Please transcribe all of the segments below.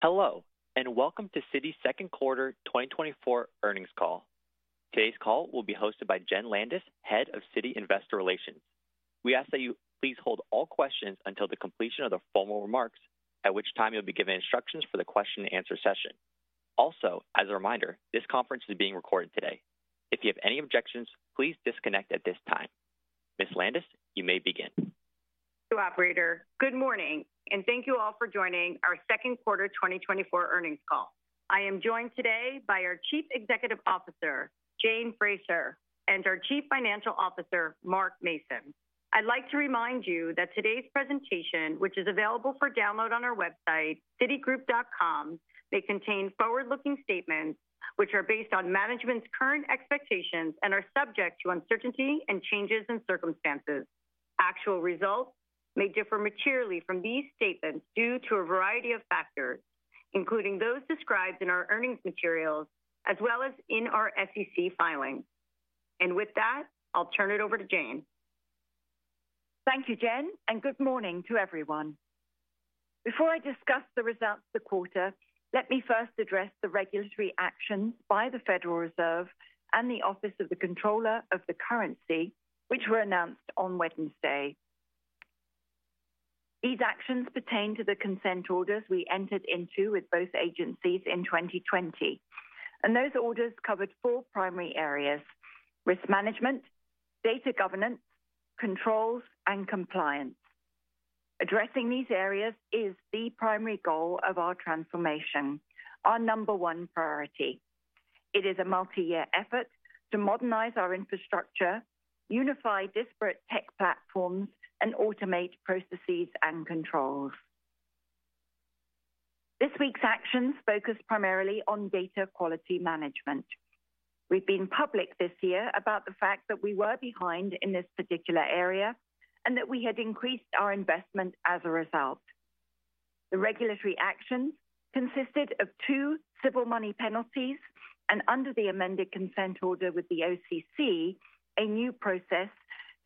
Hello, and welcome to Citi's second quarter 2024 earnings call. Today's call will be hosted by Jenn Landis, Head of Citi Investor Relations. We ask that you please hold all questions until the completion of the formal remarks, at which time you'll be given instructions for the question-and-answer session. Also, as a reminder, this conference is being recorded today. If you have any objections, please disconnect at this time. Ms. Landis, you may begin. ... Thank you, operator. Good morning, and thank you all for joining our second quarter 2024 earnings call. I am joined today by our Chief Executive Officer, Jane Fraser, and our Chief Financial Officer, Mark Mason. I'd like to remind you that today's presentation, which is available for download on our website, citigroup.com, may contain forward-looking statements, which are based on management's current expectations and are subject to uncertainty and changes in circumstances. Actual results may differ materially from these statements due to a variety of factors, including those described in our earnings materials as well as in our SEC filings. With that, I'll turn it over to Jane. Thank you, Jenn, and good morning to everyone. Before I discuss the results of the quarter, let me first address the regulatory actions by the Federal Reserve and the Office of the Comptroller of the Currency, which were announced on Wednesday. These actions pertain to the consent orders we entered into with both agencies in 2020, and those orders covered four primary areas: risk management, data governance, controls, and compliance. Addressing these areas is the primary goal of our transformation, our number one priority. It is a multi-year effort to modernize our infrastructure, unify disparate tech platforms, and automate processes and controls. This week's actions focused primarily on data quality management. We've been public this year about the fact that we were behind in this particular area and that we had increased our investment as a result. The regulatory actions consisted of two civil money penalties, and under the amended consent order with the OCC, a new process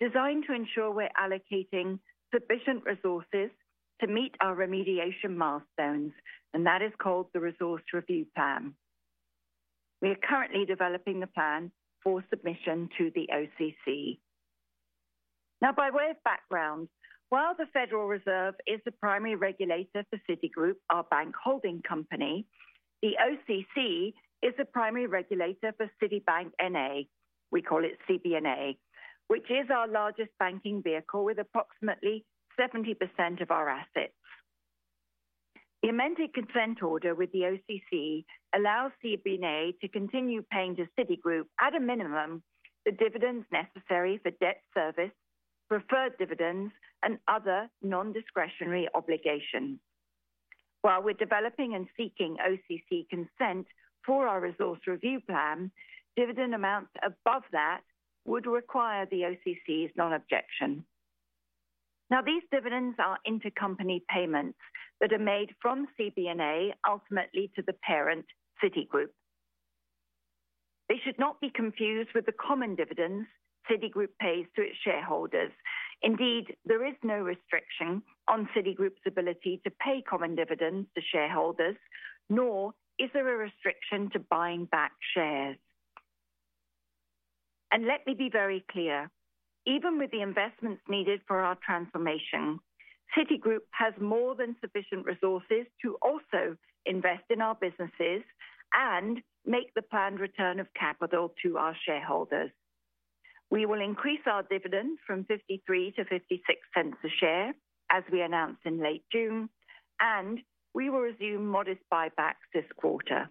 designed to ensure we're allocating sufficient resources to meet our remediation milestones, and that is called the Resource Review Plan. We are currently developing the plan for submission to the OCC. Now, by way of background, while the Federal Reserve is the primary regulator for Citigroup, our bank holding company, the OCC is the primary regulator for Citibank, N.A., we call it CBNA, which is our largest banking vehicle with approximately 70% of our assets. The amended consent order with the OCC allows CBNA to continue paying to Citigroup, at a minimum, the dividends necessary for debt service, preferred dividends, and other non-discretionary obligations. While we're developing and seeking OCC consent for our Resource Review Plan, dividend amounts above that would require the OCC's non-objection. Now, these dividends are intercompany payments that are made from CBNA ultimately to the parent, Citigroup. They should not be confused with the common dividends Citigroup pays to its shareholders. Indeed, there is no restriction on Citigroup's ability to pay common dividends to shareholders, nor is there a restriction to buying back shares. And let me be very clear, even with the investments needed for our transformation, Citigroup has more than sufficient resources to also invest in our businesses and make the planned return of capital to our shareholders. We will increase our dividend from $0.53 to $0.56 a share, as we announced in late June, and we will resume modest buybacks this quarter.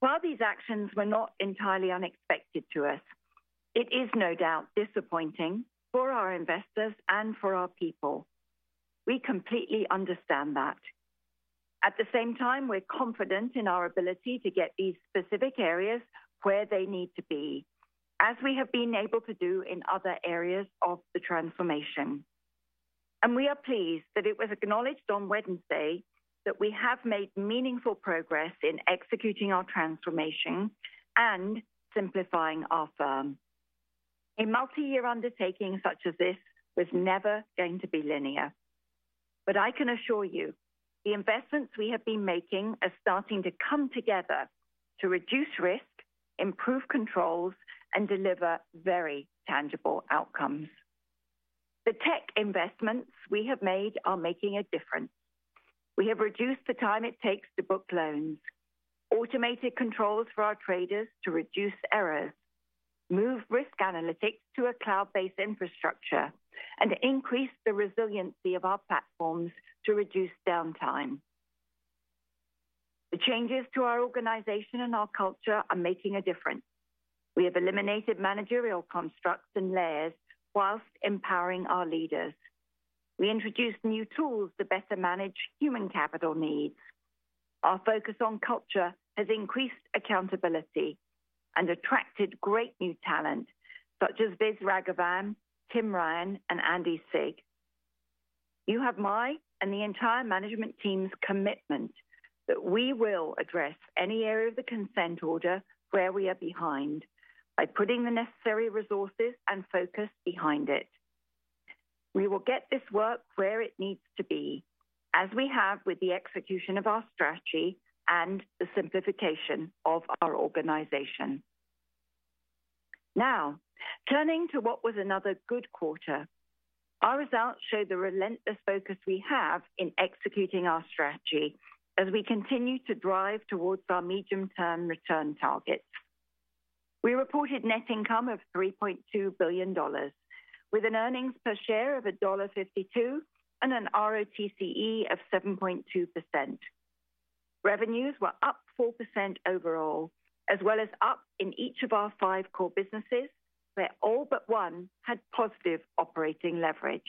While these actions were not entirely unexpected to us, it is no doubt disappointing for our investors and for our people. We completely understand that. At the same time, we're confident in our ability to get these specific areas where they need to be, as we have been able to do in other areas of the transformation. We are pleased that it was acknowledged on Wednesday that we have made meaningful progress in executing our transformation and simplifying our firm. A multi-year undertaking such as this was never going to be linear, but I can assure you, the investments we have been making are starting to come together to reduce risk, improve controls, and deliver very tangible outcomes. The tech investments we have made are making a difference. We have reduced the time it takes to book loans, automated controls for our traders to reduce errors, moved risk analytics to a cloud-based infrastructure, and increased the resiliency of our platforms to reduce downtime. The changes to our organization and our culture are making a difference. We have eliminated managerial constructs and layers while empowering our leaders. We introduced new tools to better manage human capital needs. Our focus on culture has increased accountability and attracted great new talent, such as Viswas Raghavan, Tim Ryan, and Andy Sieg. You have my and the entire management team's commitment that we will address any area of the consent order where we are behind by putting the necessary resources and focus behind it. We will get this work where it needs to be, as we have with the execution of our strategy and the simplification of our organization. Now, turning to what was another good quarter, our results show the relentless focus we have in executing our strategy as we continue to drive towards our medium-term return targets. We reported net income of $3.2 billion, with an earnings per share of $1.52 and an ROTCE of 7.2%. Revenues were up 4% overall, as well as up in each of our 5 core businesses, where all but one had positive operating leverage.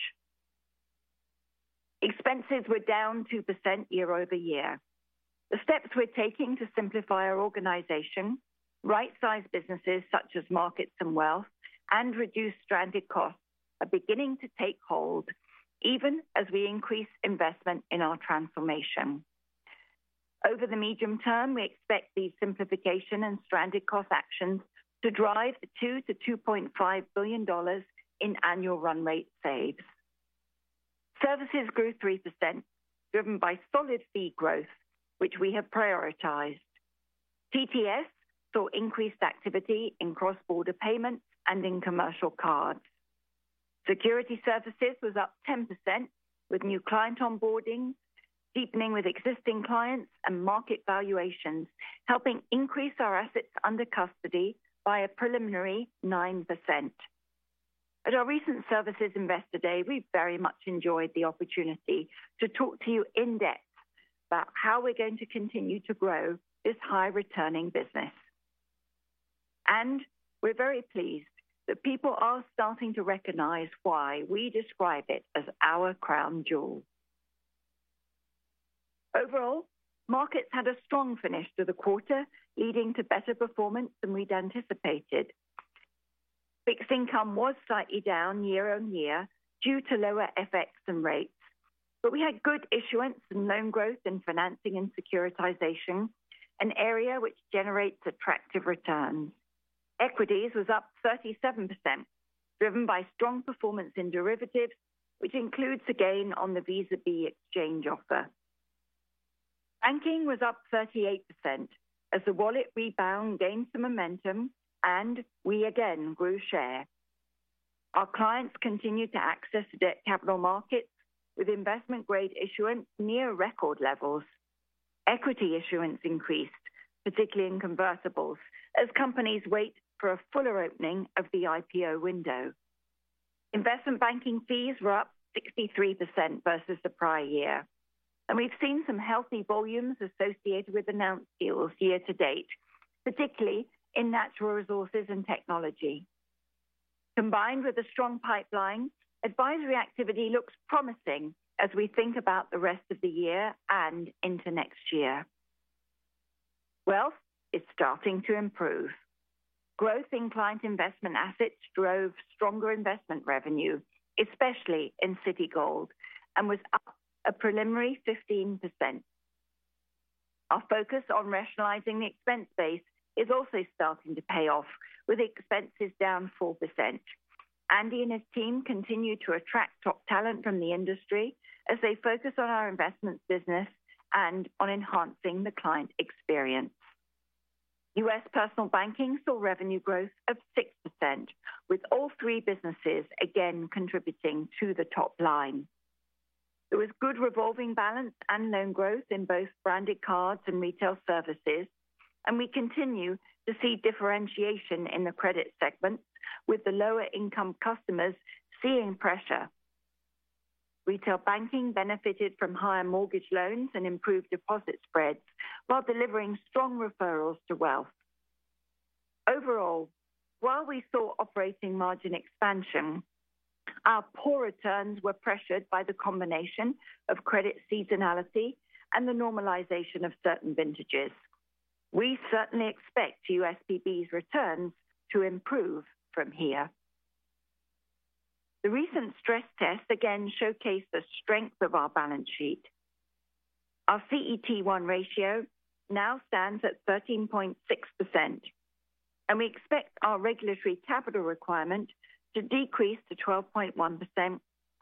Expenses were down 2% year-over-year. The steps we're taking to simplify our organization, right-size businesses such as markets and wealth, and reduce stranded costs are beginning to take hold even as we increase investment in our transformation. Over the medium term, we expect these simplification and stranded cost actions to drive $2 to $2.5 billion in annual run rate saves. Services grew 3%, driven by solid fee growth, which we have prioritized. TTS saw increased activity in cross-border payments and in commercial cards. Security Services was up 10%, with new client onboarding, deepening with existing clients and market valuations, helping increase our assets under custody by a preliminary 9%. At our recent Services Investor Day, we very much enjoyed the opportunity to talk to you in depth about how we're going to continue to grow this high-returning business. We're very pleased that people are starting to recognize why we describe it as our crown jewel. Overall, markets had a strong finish to the quarter, leading to better performance than we'd anticipated. Fixed income was slightly down year-on-year due to lower FX and rates, but we had good issuance and loan growth in financing and securitization, an area which generates attractive returns. Equities was up 37%, driven by strong performance in derivatives, which includes the gain on the Visa B exchange offer. Banking was up 38% as the wallet rebound gained some momentum and we again grew share. Our clients continued to access the debt capital markets with investment-grade issuance near record levels. Equity issuance increased, particularly in convertibles, as companies wait for a fuller opening of the IPO window. Investment banking fees were up 63% versus the prior year, and we've seen some healthy volumes associated with announced deals year to date, particularly in natural resources and technology. Combined with a strong pipeline, advisory activity looks promising as we think about the rest of the year and into next year. Wealth is starting to improve. Growth in client investment assets drove stronger investment revenue, especially in Citigold, and was up a preliminary 15%. Our focus on rationalizing the expense base is also starting to pay off, with expenses down 4%. Andy and his team continue to attract top talent from the industry as they focus on our investment business and on enhancing the client experience. US Personal Banking saw revenue growth of 6%, with all three businesses again contributing to the top line. There was good revolving balance and loan growth in both branded cards and retail services, and we continue to see differentiation in the credit segment, with the lower-income customers seeing pressure. Retail banking benefited from higher mortgage loans and improved deposit spreads while delivering strong referrals to wealth. Overall, while we saw operating margin expansion, our poor returns were pressured by the combination of credit seasonality and the normalization of certain vintages. We certainly expect USPB's returns to improve from here. The recent stress test again showcased the strength of our balance sheet. Our CET1 ratio now stands at 13.6%, and we expect our regulatory capital requirement to decrease to 12.1%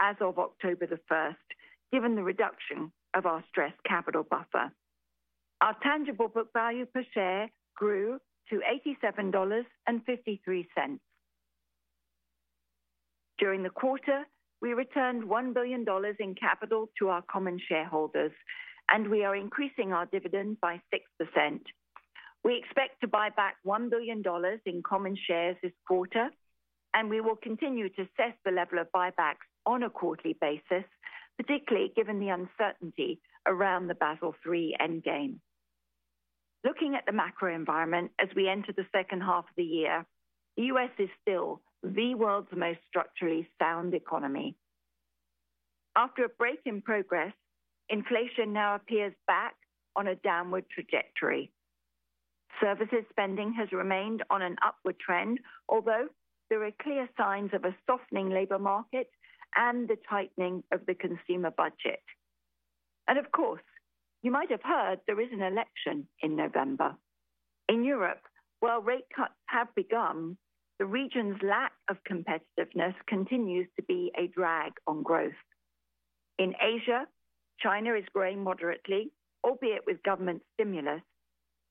as of October 1, given the reduction of our stress capital buffer. Our tangible book value per share grew to $87.53. During the quarter, we returned $1 billion in capital to our common shareholders, and we are increasing our dividend by 6%. We expect to buy back $1 billion in common shares this quarter, and we will continue to assess the level of buybacks on a quarterly basis, particularly given the uncertainty around the Basel III endgame. Looking at the macro environment as we enter the second half of the year, the US is still the world's most structurally sound economy. After a break in progress, inflation now appears back on a downward trajectory. Services spending has remained on an upward trend, although there are clear signs of a softening labor market and the tightening of the consumer budget. Of course, you might have heard there is an election in November. In Europe, while rate cuts have begun, the region's lack of competitiveness continues to be a drag on growth. In Asia, China is growing moderately, albeit with government stimulus,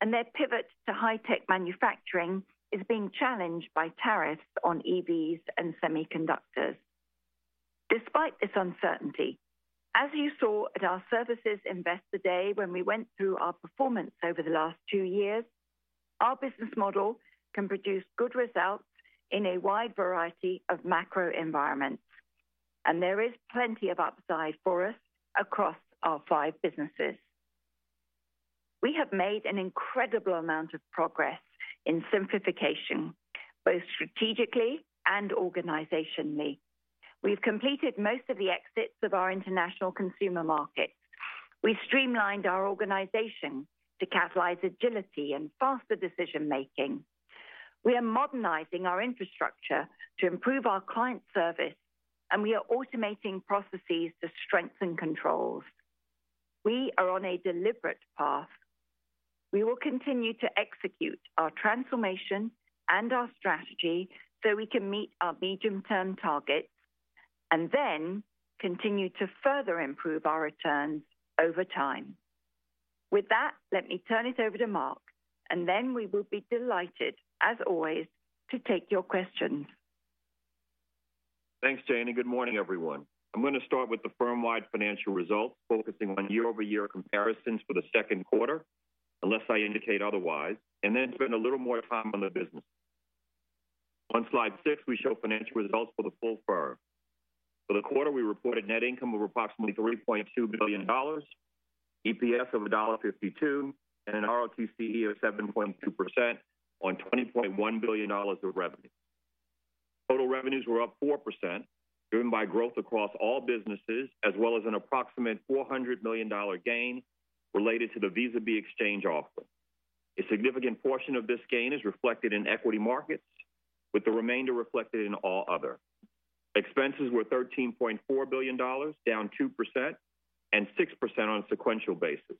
and their pivot to high-tech manufacturing is being challenged by tariffs on EVs and semiconductors. Despite this uncertainty, as you saw at our Services Investor Day when we went through our performance over the last two years, our business model can produce good results in a wide variety of macro environments, and there is plenty of upside for us across our five businesses. We have made an incredible amount of progress in simplification, both strategically and organizationally. We've completed most of the exits of our international consumer markets. We've streamlined our organization to catalyze agility and faster decision-making. We are modernizing our infrastructure to improve our client service, and we are automating processes to strengthen controls. We are on a deliberate path. We will continue to execute our transformation and our strategy so we can meet our medium-term targets, and then continue to further improve our returns over time. With that, let me turn it over to Mark, and then we will be delighted, as always, to take your questions. Thanks, Jane, and good morning, everyone. I'm going to start with the firm-wide financial results, focusing on year-over-year comparisons for the second quarter, unless I indicate otherwise, and then spend a little more time on the business. On slide 6, we show financial results for the full firm. For the quarter, we reported net income of approximately $3.2 billion, EPS of $1.52, and an ROTCE of 7.2% on $20.1 billion of revenue. Total revenues were up 4%, driven by growth across all businesses, as well as an approximate $400 million gain related to the Visa B exchange offer. A significant portion of this gain is reflected in equity markets, with the remainder reflected in All Other. Expenses were $13.4 billion, down 2% and 6% on a sequential basis.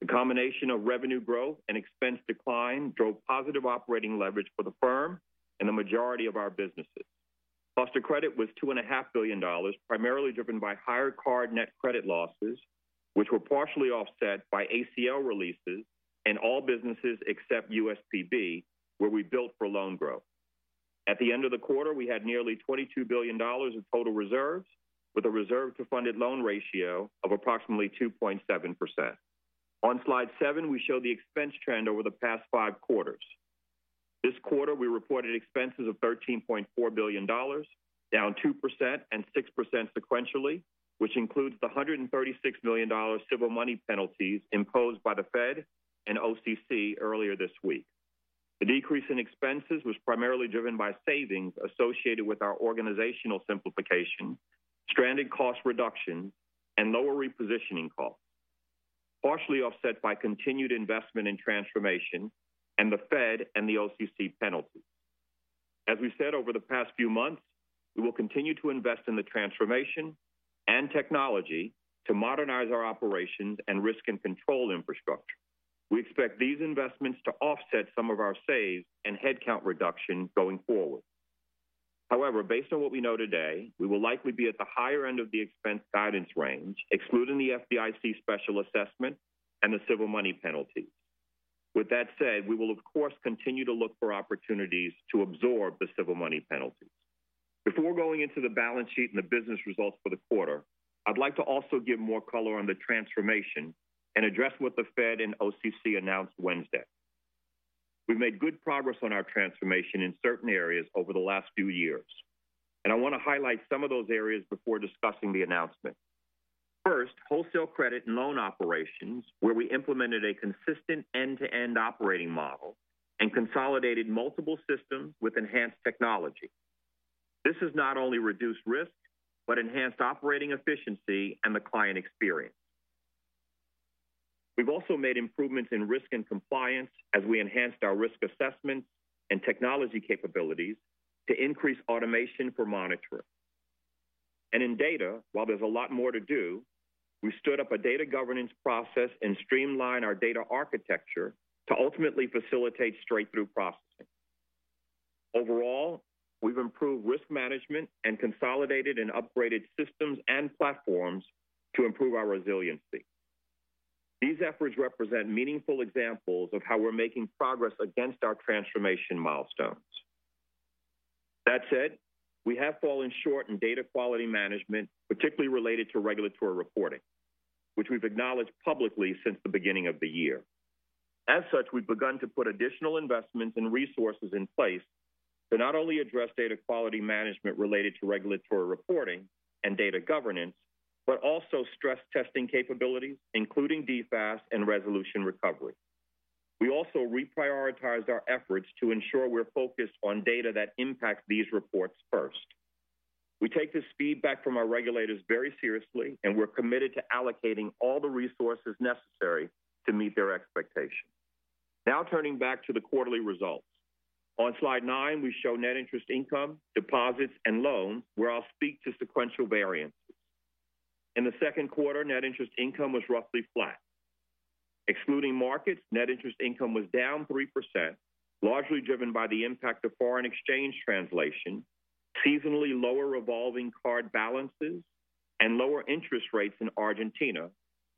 The combination of revenue growth and expense decline drove positive operating leverage for the firm and the majority of our businesses. Cost of credit was $2.5 billion, primarily driven by higher card net credit losses, which were partially offset by ACL releases in all businesses except USPB, where we built for loan growth. At the end of the quarter, we had nearly $22 billion in total reserves, with a reserve to funded loan ratio of approximately 2.7%. On slide 7, we show the expense trend over the past 5 quarters. This quarter, we reported expenses of $13.4 billion, down 2% and 6% sequentially, which includes the $136 million civil money penalties imposed by the Fed and OCC earlier this week. The decrease in expenses was primarily driven by savings associated with our organizational simplification, stranded cost reduction, and lower repositioning costs, partially offset by continued investment in transformation and the Fed and the OCC penalties. As we've said over the past few months, we will continue to invest in the transformation and technology to modernize our operations and risk and control infrastructure. We expect these investments to offset some of our saves and headcount reduction going forward. However, based on what we know today, we will likely be at the higher end of the expense guidance range, excluding the FDIC special assessment and the civil money penalties. With that said, we will, of course, continue to look for opportunities to absorb the civil money penalties. Before going into the balance sheet and the business results for the quarter, I'd like to also give more color on the transformation and address what the Fed and OCC announced Wednesday. We've made good progress on our transformation in certain areas over the last few years, and I want to highlight some of those areas before discussing the announcement. First, wholesale credit and loan operations, where we implemented a consistent end-to-end operating model and consolidated multiple systems with enhanced technology. This has not only reduced risk, but enhanced operating efficiency and the client experience. We've also made improvements in risk and compliance as we enhanced our risk assessment and technology capabilities to increase automation for monitoring. In data, while there's a lot more to do, we stood up a data governance process and streamlined our data architecture to ultimately facilitate straight-through processing. Overall, we've improved risk management and consolidated and upgraded systems and platforms to improve our resiliency. These efforts represent meaningful examples of how we're making progress against our Transformation milestones. That said, we have fallen short in data quality management, particularly related to regulatory reporting, which we've acknowledged publicly since the beginning of the year. As such, we've begun to put additional investments and resources in place to not only address data quality management related to regulatory reporting and data governance, but also stress testing capabilities, including DFAST and resolution recovery. We also reprioritized our efforts to ensure we're focused on data that impacts these reports first. We take this feedback from our regulators very seriously, and we're committed to allocating all the resources necessary to meet their expectations. Now turning back to the quarterly results. On slide 9, we show net interest income, deposits, and loans, where I'll speak to sequential variances. In the second quarter, net interest income was roughly flat. Excluding markets, net interest income was down 3%, largely driven by the impact of foreign exchange translation, seasonally lower revolving card balances, and lower interest rates in Argentina,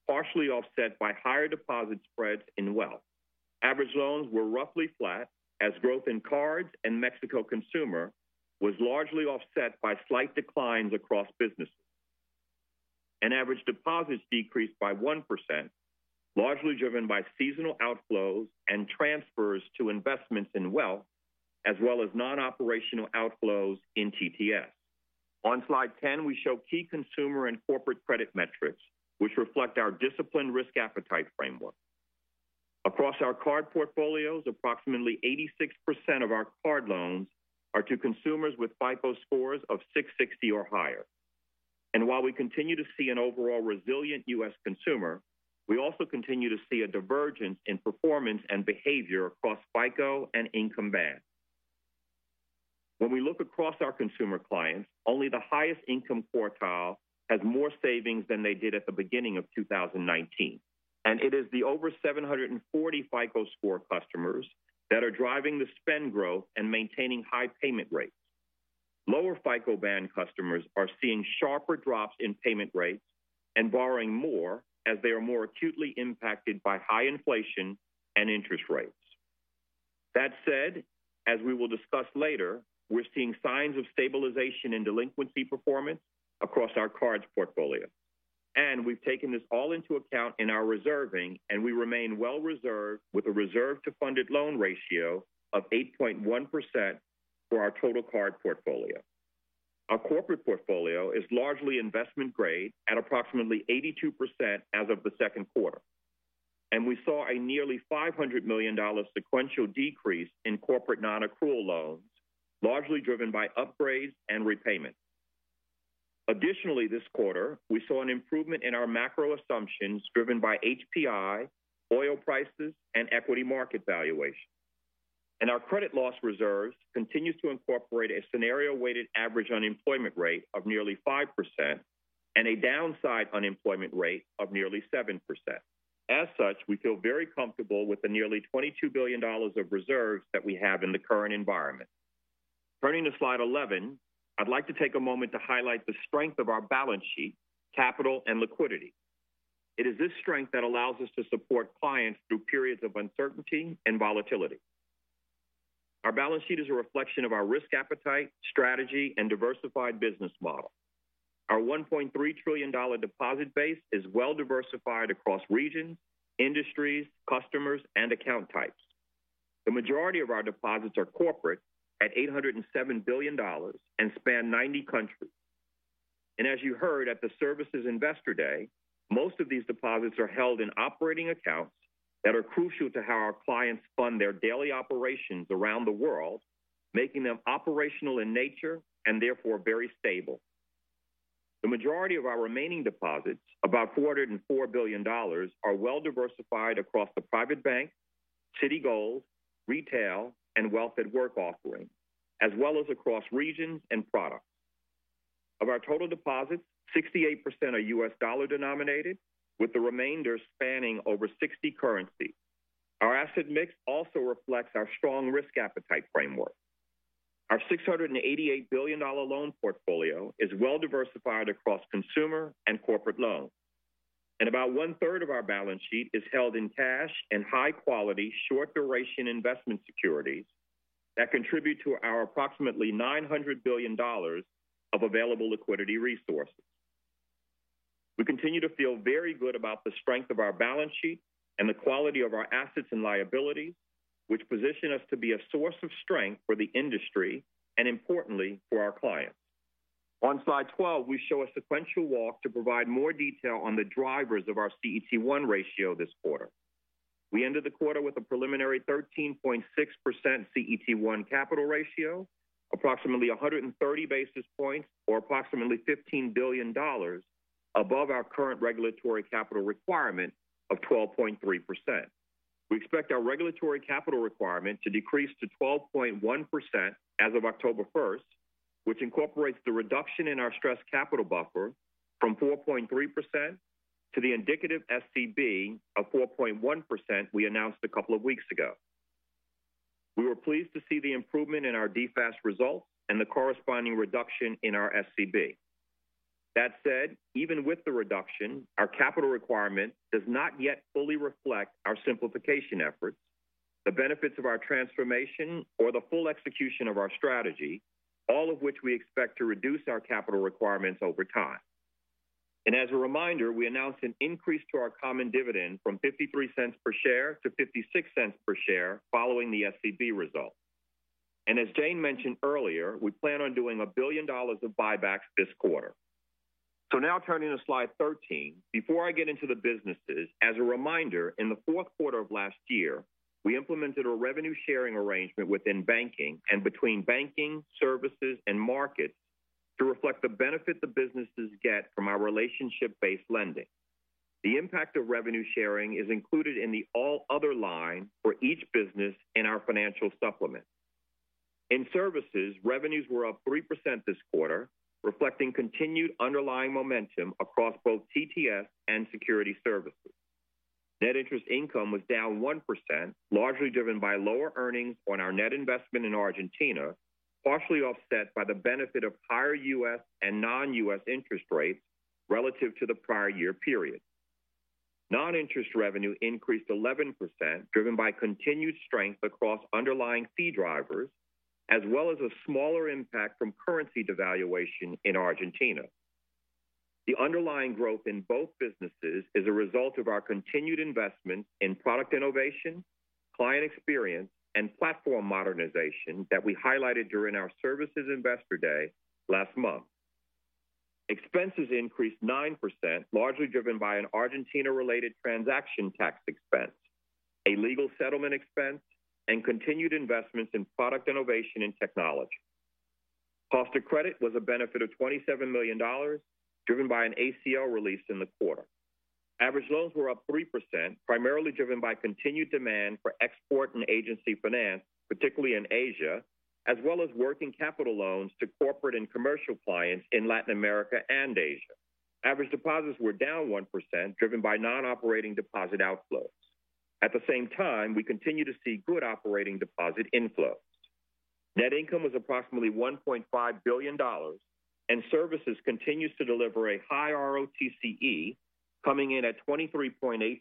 partially offset by higher deposit spreads in wealth. Average loans were roughly flat, as growth in cards and Mexico consumer was largely offset by slight declines across businesses. Average deposits decreased by 1%, largely driven by seasonal outflows and transfers to investments in wealth, as well as non-operational outflows in TTS. On slide 10, we show key consumer and corporate credit metrics, which reflect our disciplined risk appetite framework. Across our card portfolios, approximately 86% of our card loans are to consumers with FICO scores of 660 or higher. While we continue to see an overall resilient US consumer, we also continue to see a divergence in performance and behavior across FICO and income band. When we look across our consumer clients, only the highest income quartile has more savings than they did at the beginning of 2019, and it is the over 740 FICO score customers that are driving the spend growth and maintaining high payment rates. Lower FICO band customers are seeing sharper drops in payment rates and borrowing more, as they are more acutely impacted by high inflation and interest rates. That said, as we will discuss later, we're seeing signs of stabilization in delinquency performance across our cards portfolio. We've taken this all into account in our reserving, and we remain well reserved, with a reserve to funded loan ratio of 8.1% for our total card portfolio. Our corporate portfolio is largely investment grade at approximately 82% as of the second quarter. We saw a nearly $500 million sequential decrease in corporate nonaccrual loans, largely driven by upgrades and repayments. Additionally, this quarter, we saw an improvement in our macro assumptions, driven by HPI, oil prices, and equity market valuation. Our credit loss reserves continues to incorporate a scenario-weighted average unemployment rate of nearly 5% and a downside unemployment rate of nearly 7%. As such, we feel very comfortable with the nearly $22 billion of reserves that we have in the current environment. Turning to slide 11, I'd like to take a moment to highlight the strength of our balance sheet, capital, and liquidity. It is this strength that allows us to support clients through periods of uncertainty and volatility. Our balance sheet is a reflection of our risk appetite, strategy, and diversified business model. Our $1.3 trillion deposit base is well diversified across regions, industries, customers, and account types. The majority of our deposits are corporate, at $807 billion, and span 90 countries. As you heard at the Services Investor Day, most of these deposits are held in operating accounts that are crucial to how our clients fund their daily operations around the world, making them operational in nature and therefore very stable. The majority of our remaining deposits, about $404 billion, are well diversified across the Private Bank, Citigold, Retail, and Wealth at Work offerings, as well as across regions and products. Of our total deposits, 68% are US dollar denominated, with the remainder spanning over 60 currencies. Our asset mix also reflects our strong risk appetite framework. Our $688 billion loan portfolio is well diversified across consumer and corporate loans. About 1/3 of our balance sheet is held in cash and high quality, short-duration investment securities that contribute to our approximately $900 billion of available liquidity resources. We continue to feel very good about the strength of our balance sheet and the quality of our assets and liabilities, which position us to be a source of strength for the industry and importantly, for our clients. On slide 12, we show a sequential walk to provide more detail on the drivers of our CET1 ratio this quarter. We ended the quarter with a preliminary 13.6% CET1 capital ratio, approximately 130 basis points or approximately $15 billion above our current regulatory capital requirement of 12.3%. We expect our regulatory capital requirement to decrease to 12.1% as of October first, which incorporates the reduction in our stress capital buffer from 4.3% to the indicative SCB of 4.1% we announced a couple of weeks ago. We were pleased to see the improvement in our DFAST results and the corresponding reduction in our SCB. That said, even with the reduction, our capital requirement does not yet fully reflect our simplification efforts, the benefits of our Transformation, or the full execution of our strategy, all of which we expect to reduce our capital requirements over time. And as a reminder, we announced an increase to our common dividend from $0.53 per share to $0.56 per share, following the SCB results. And as Jane mentioned earlier, we plan on doing $1 billion of buybacks this quarter. So now turning to slide 13. Before I get into the businesses, as a reminder, in the fourth quarter of last year, we implemented a revenue sharing arrangement within banking and between banking, services, and markets to reflect the benefit the businesses get from our relationship-based lending. The impact of revenue sharing is included in the all other line for each business in our financial supplement. In Services, revenues were up 3% this quarter, reflecting continued underlying momentum across both TTS and security services. Net interest income was down 1%, largely driven by lower earnings on our net investment in Argentina, partially offset by the benefit of higher US and non-US interest rates relative to the prior year period. Non-interest revenue increased 11%, driven by continued strength across underlying fee drivers, as well as a smaller impact from currency devaluation in Argentina. The underlying growth in both businesses is a result of our continued investment in product innovation, client experience, and platform modernization that we highlighted during our Services Investor Day last month. Expenses increased 9%, largely driven by an Argentina-related transaction tax expense, a legal settlement expense, and continued investments in product innovation and technology. Cost of credit was a benefit of $27 million, driven by an ACL release in the quarter. Average loans were up 3%, primarily driven by continued demand for export and agency finance, particularly in Asia, as well as working capital loans to corporate and commercial clients in Latin America and Asia. Average deposits were down 1%, driven by non-operating deposit outflows. At the same time, we continue to see good operating deposit inflows. Net income was approximately $1.5 billion, and services continues to deliver a high ROTCE, coming in at 23.8%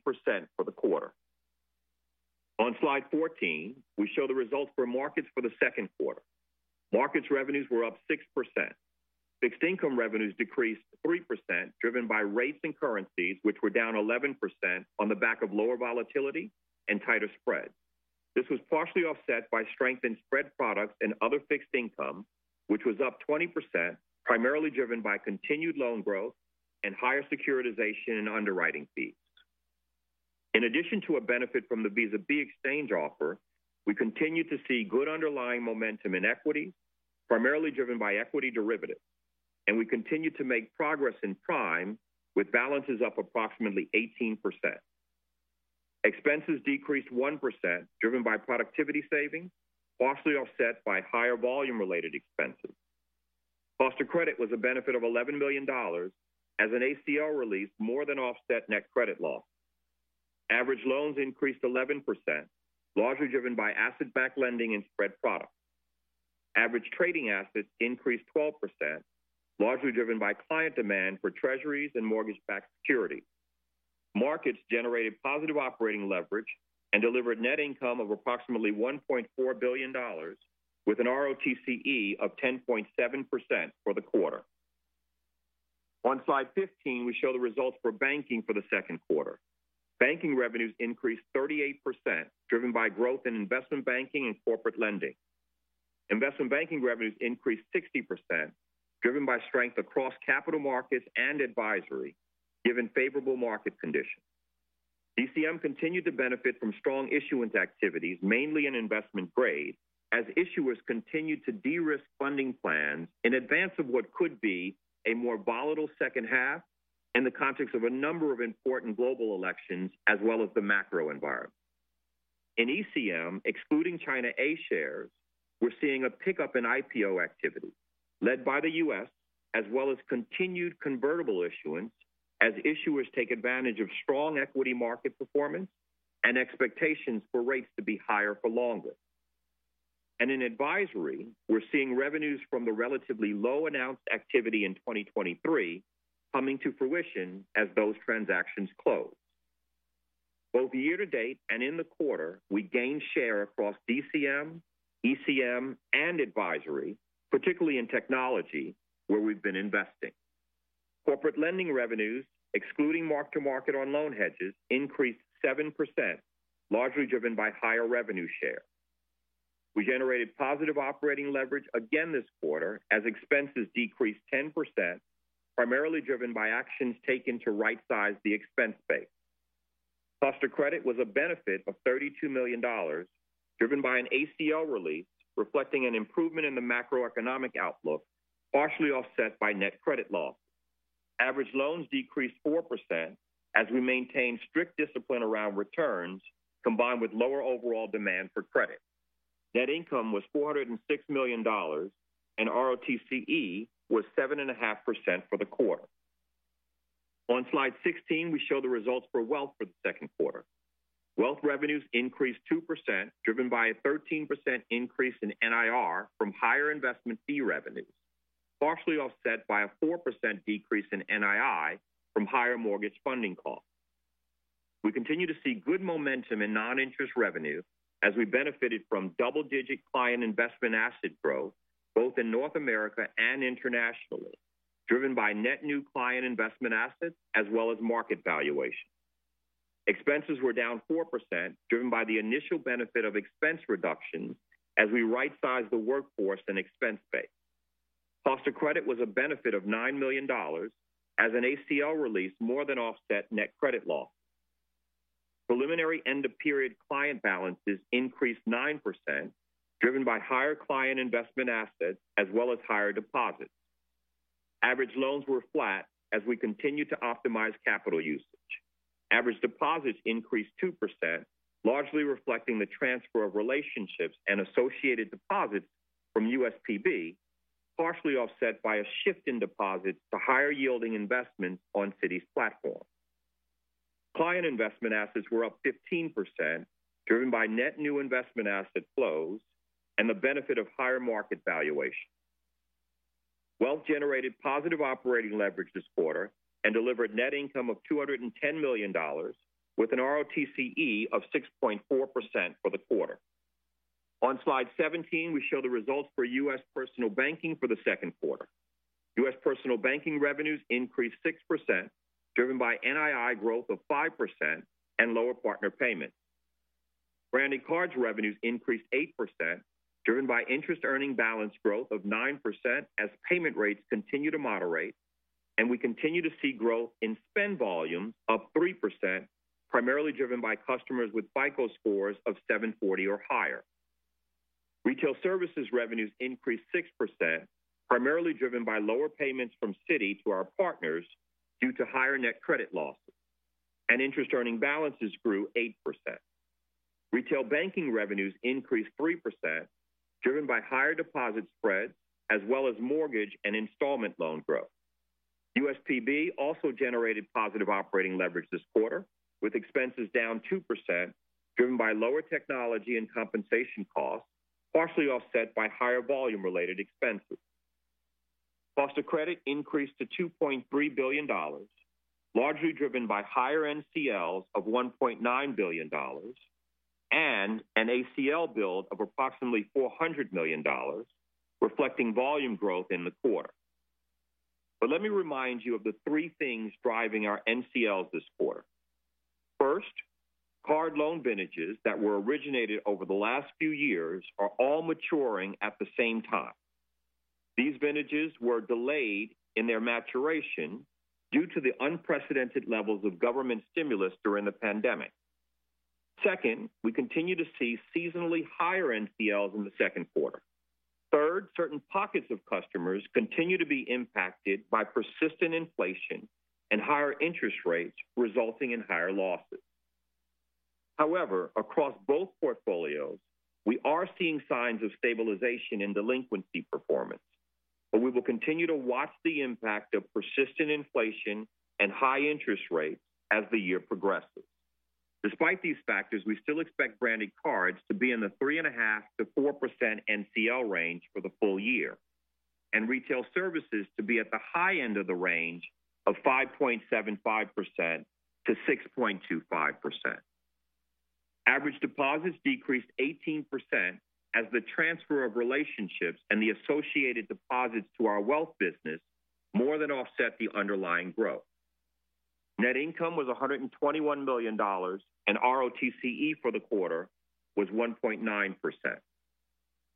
for the quarter. On slide 14, we show the results for markets for the second quarter. Markets revenues were up 6%. Fixed income revenues decreased 3%, driven by rates and currencies, which were down 11% on the back of lower volatility and tighter spreads. This was partially offset by strength in spread products and other fixed income, which was up 20%, primarily driven by continued loan growth and higher securitization in underwriting fees. In addition to a benefit from the Visa B exchange offer, we continue to see good underlying momentum in equity, primarily driven by equity derivatives, and we continue to make progress in prime, with balances up approximately 18%. Expenses decreased 1%, driven by productivity savings, partially offset by higher volume-related expenses. Cost of credit was a benefit of $11 million as an ACL release more than offset net credit loss. Average loans increased 11%, largely driven by asset-backed lending and spread products. Average trading assets increased 12%, largely driven by client demand for treasuries and mortgage-backed securities. Markets generated positive operating leverage and delivered net income of approximately $1.4 billion, with an ROTCE of 10.7% for the quarter. On slide 15, we show the results for banking for the second quarter. Banking revenues increased 38%, driven by growth in investment banking and corporate lending. Investment banking revenues increased 60%, driven by strength across capital markets and advisory, given favorable market conditions. ECM continued to benefit from strong issuance activities, mainly in investment grade, as issuers continued to de-risk funding plans in advance of what could be a more volatile second half in the context of a number of important global elections, as well as the macro environment. In ECM, excluding China A-shares, we're seeing a pickup in IPO activity led by the US, as well as continued convertible issuance, as issuers take advantage of strong equity market performance and expectations for rates to be higher for longer. And in advisory, we're seeing revenues from the relatively low announced activity in 2023 coming to fruition as those transactions close. Both year-to-date and in the quarter, we gained share across DCM, ECM, and Advisory, particularly in Technology, where we've been investing. Corporate lending revenues, excluding mark-to-market on loan hedges, increased 7%, largely driven by higher revenue share. We generated positive operating leverage again this quarter as expenses decreased 10%, primarily driven by actions taken to rightsize the expense base. Cost of credit was a benefit of $32 million, driven by an ACL release, reflecting an improvement in the macroeconomic outlook, partially offset by net credit loss. Average loans decreased 4% as we maintained strict discipline around returns, combined with lower overall demand for credit. Net income was $406 million, and ROTCE was 7.5% for the quarter. On slide 16, we show the results for wealth for the second quarter. Wealth revenues increased 2%, driven by a 13% increase in NIR from higher investment fee revenues, partially offset by a 4% decrease in NII from higher mortgage funding costs. We continue to see good momentum in non-interest revenue as we benefited from double-digit client investment asset growth, both in North America and internationally, driven by net new client investment assets as well as market valuation. Expenses were down 4%, driven by the initial benefit of expense reductions as we rightsize the workforce and expense base. Cost of credit was a benefit of $9 million as an ACL release more than offset net credit losses. Preliminary end-of-period client balances increased 9%, driven by higher client investment assets as well as higher deposits. Average loans were flat as we continued to optimize capital usage. Average deposits increased 2%, largely reflecting the transfer of relationships and associated deposits from USPB, partially offset by a shift in deposits to higher-yielding investments on Citi's platform. Client investment assets were up 15%, driven by net new investment asset flows and the benefit of higher market valuation. Wealth generated positive operating leverage this quarter and delivered net income of $210 million, with an ROTCE of 6.4% for the quarter. On slide 17, we show the results for US Personal Banking for the second quarter. US Personal Banking revenues increased 6%, driven by NII growth of 5% and lower partner payments. Branded cards revenues increased 8%, driven by interest-earning balance growth of 9% as payment rates continue to moderate, and we continue to see growth in spend volume, up 3%, primarily driven by customers with FICO scores of 740 or higher. Retail services revenues increased 6%, primarily driven by lower payments from Citi to our partners due to higher net credit losses, and interest-earning balances grew 8%. Retail banking revenues increased 3%, driven by higher deposit spreads, as well as mortgage and installment loan growth. USPB also generated positive operating leverage this quarter, with expenses down 2%, driven by lower technology and compensation costs, partially offset by higher volume-related expenses. Cost of credit increased to $2.3 billion, largely driven by higher NCLs of $1.9 billion and an ACL build of approximately $400 million, reflecting volume growth in the quarter. But let me remind you of the three things driving our NCLs this quarter. First, card loan vintages that were originated over the last few years are all maturing at the same time. These vintages were delayed in their maturation due to the unprecedented levels of government stimulus during the pandemic. Second, we continue to see seasonally higher NCLs in the second quarter. Third, certain pockets of customers continue to be impacted by persistent inflation and higher interest rates, resulting in higher losses. However, across both portfolios, we are seeing signs of stabilization in delinquency performance, but we will continue to watch the impact of persistent inflation and high interest rates as the year progresses. Despite these factors, we still expect branded cards to be in the 3.5%-4% NCL range for the full year, and retail services to be at the high end of the range of 5.75%-6.25%. Average deposits decreased 18% as the transfer of relationships and the associated deposits to our wealth business more than offset the underlying growth. Net income was $121 million, and ROTCE for the quarter was 1.9%.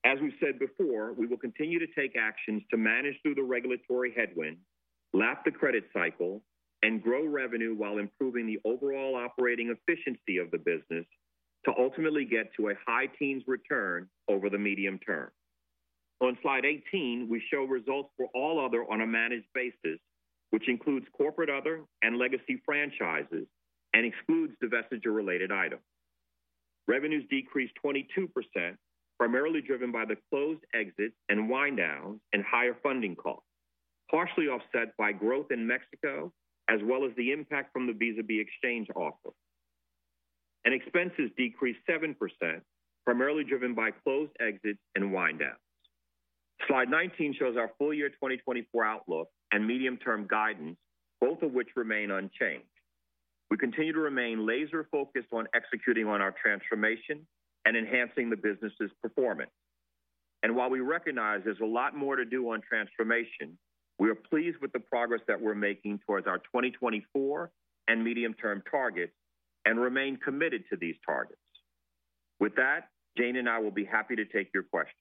As we've said before, we will continue to take actions to manage through the regulatory headwind, lap the credit cycle, and grow revenue while improving the overall operating efficiency of the business to ultimately get to a high teens return over the medium term. On slide 18, we show results for all other on a managed basis, which includes corporate, other, and legacy franchises and excludes divestiture-related items. Revenues decreased 22%, primarily driven by the closed exits and wind downs and higher funding costs, partially offset by growth in Mexico, as well as the impact from the Visa B exchange offer. Expenses decreased 7%, primarily driven by closed exits and wind downs. Slide 19 shows our full year 2024 outlook and medium-term guidance, both of which remain unchanged. We continue to remain laser-focused on executing on our transformation and enhancing the business's performance. While we recognize there's a lot more to do on transformation, we are pleased with the progress that we're making towards our 2024 and medium-term targets and remain committed to these targets. With that, Jane and I will be happy to take your questions.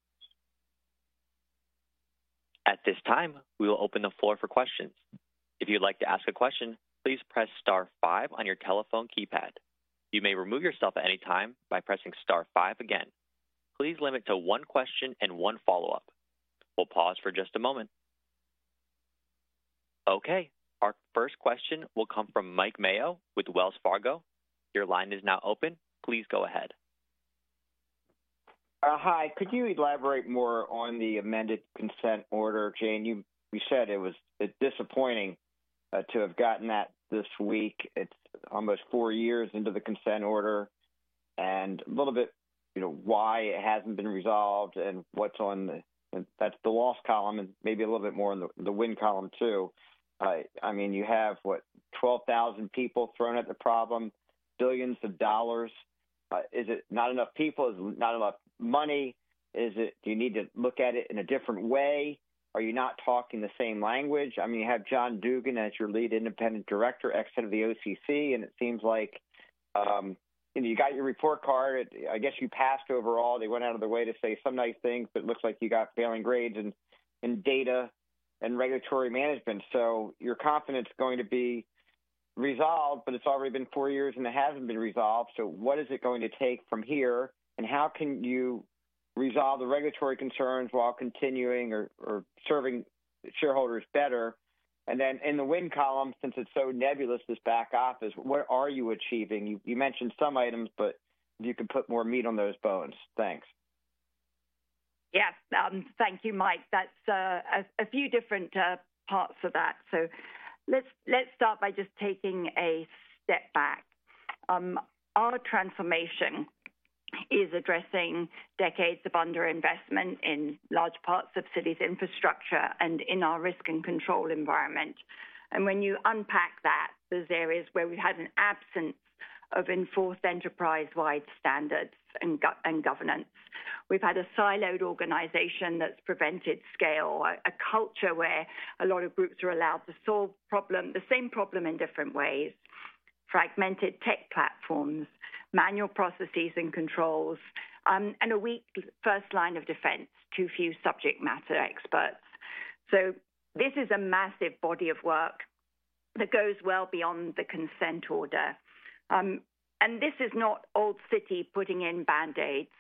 At this time, we will open the floor for questions. If you'd like to ask a question, please press star five on your telephone keypad. You may remove yourself at any time by pressing star five again. Please limit to one question and one follow-up. We'll pause for just a moment. Okay, our first question will come from Mike Mayo with Wells Fargo. Your line is now open. Please go ahead. Hi. Could you elaborate more on the amended consent order, Jane? You said it was disappointing to have gotten that this week. It's almost four years into the consent order and a little bit, you know, why it hasn't been resolved and what's on the loss column, and maybe a little bit more on the win column, too. I mean, you have, what, 12,000 people thrown at the problem, $ billions. Is it not enough people? Is it not enough money? Do you need to look at it in a different way? Are you not talking the same language? I mean, you have John Dugan as your lead independent director, ex-head of the OCC, and it seems like, you know, you got your report card. I guess you passed overall. They went out of their way to say some nice things, but it looks like you got failing grades in data and regulatory management. So your consents are going to be resolved, but it's already been four years, and they haven't been resolved. So what is it going to take from here? And how can you resolve the regulatory concerns while continuing or serving shareholders better? And then in the win column, since it's so nebulous, this back office, what are you achieving? You mentioned some items, but you can put more meat on those bones. Thanks. Yes, thank you, Mike. That's a few different parts for that. So let's start by just taking a step back. Our transformation is addressing decades of underinvestment in large parts of Citi's infrastructure and in our risk and control environment. And when you unpack that, there's areas where we've had an absence of enforced enterprise-wide standards and governance. We've had a siloed organization that's prevented scale, a culture where a lot of groups are allowed to solve the same problem in different ways, fragmented tech platforms, manual processes and controls, and a weak first line of defense, too few subject matter experts. So this is a massive body of work that goes well beyond the consent order. And this is not old Citi putting in Band-Aids.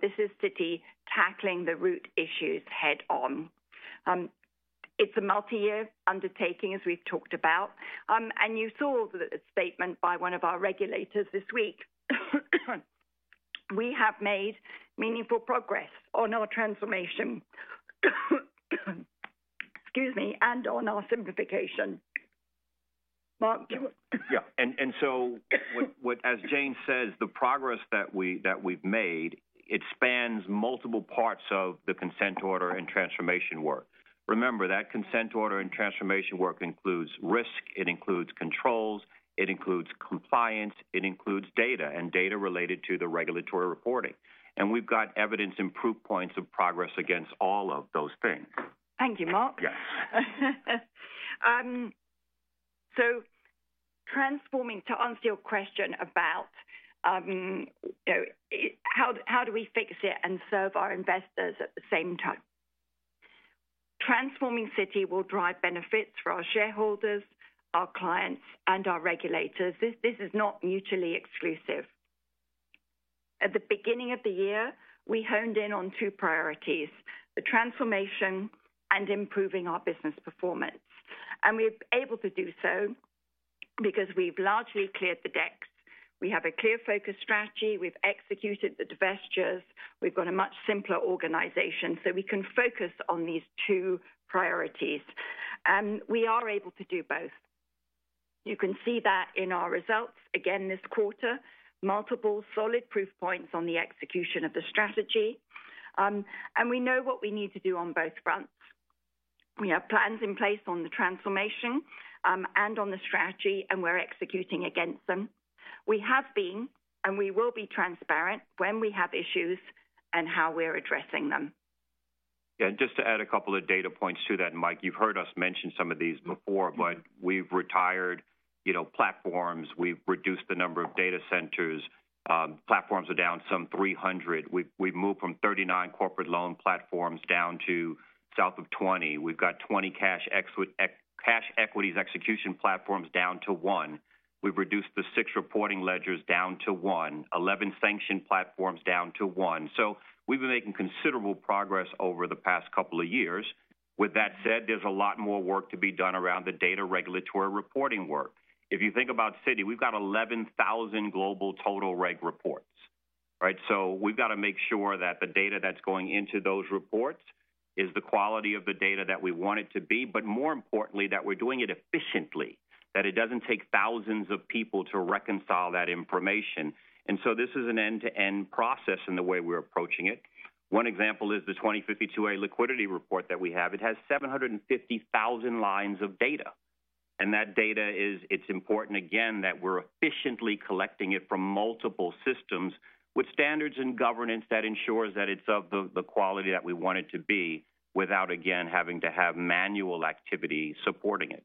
This is Citi tackling the root issues head-on. It's a multi-year undertaking, as we've talked about. You saw the statement by one of our regulators this week. We have made meaningful progress on our transformation, excuse me, and on our simplification. Mark, do you want- Yeah. And so what... As Jane says, the progress that we've made, it spans multiple parts of the Consent Order and Transformation work. Remember, that Consent Order and Transformation work includes risk, it includes controls, it includes compliance, it includes data and data related to the regulatory reporting. And we've got evidence and proof points of progress against all of those things. Thank you, Mark. Yeah. So transforming, to answer your question about, you know, how do we fix it and serve our investors at the same time? Transforming Citi will drive benefits for our shareholders, our clients, and our regulators. This is not mutually exclusive. At the beginning of the year, we honed in on two priorities, the transformation and improving our business performance, and we're able to do so because we've largely cleared the decks. We have a clear focus strategy. We've executed the divestitures. We've got a much simpler organization, so we can focus on these two priorities, and we are able to do both. You can see that in our results, again this quarter, multiple solid proof points on the execution of the strategy, and we know what we need to do on both fronts. We have plans in place on the transformation, and on the strategy, and we're executing against them. We have been, and we will be transparent when we have issues and how we're addressing them. Yeah, and just to add a couple of data points to that, Mike, you've heard us mention some of these before, but we've retired, you know, platforms. We've reduced the number of data centers. Platforms are down some 300. We've moved from 39 corporate loan platforms down to south of 20. We've got 20 cash equities execution platforms down to one. We've reduced the six reporting ledgers down to one, 11 sanctions platforms down to one. So we've been making considerable progress over the past couple of years. With that said, there's a lot more work to be done around the data regulatory reporting work. If you think about Citi, we've got 11,000 global total reg reports, right? So we've got to make sure that the data that's going into those reports is the quality of the data that we want it to be, but more importantly, that we're doing it efficiently, that it doesn't take thousands of people to reconcile that information. And so this is an end-to-end process in the way we're approaching it. One example is the 2052a liquidity report that we have. It has 750,000 lines of data, and that data is, it's important, again, that we're efficiently collecting it from multiple systems with standards and governance that ensures that it's of the, the quality that we want it to be, without, again, having to have manual activity supporting it.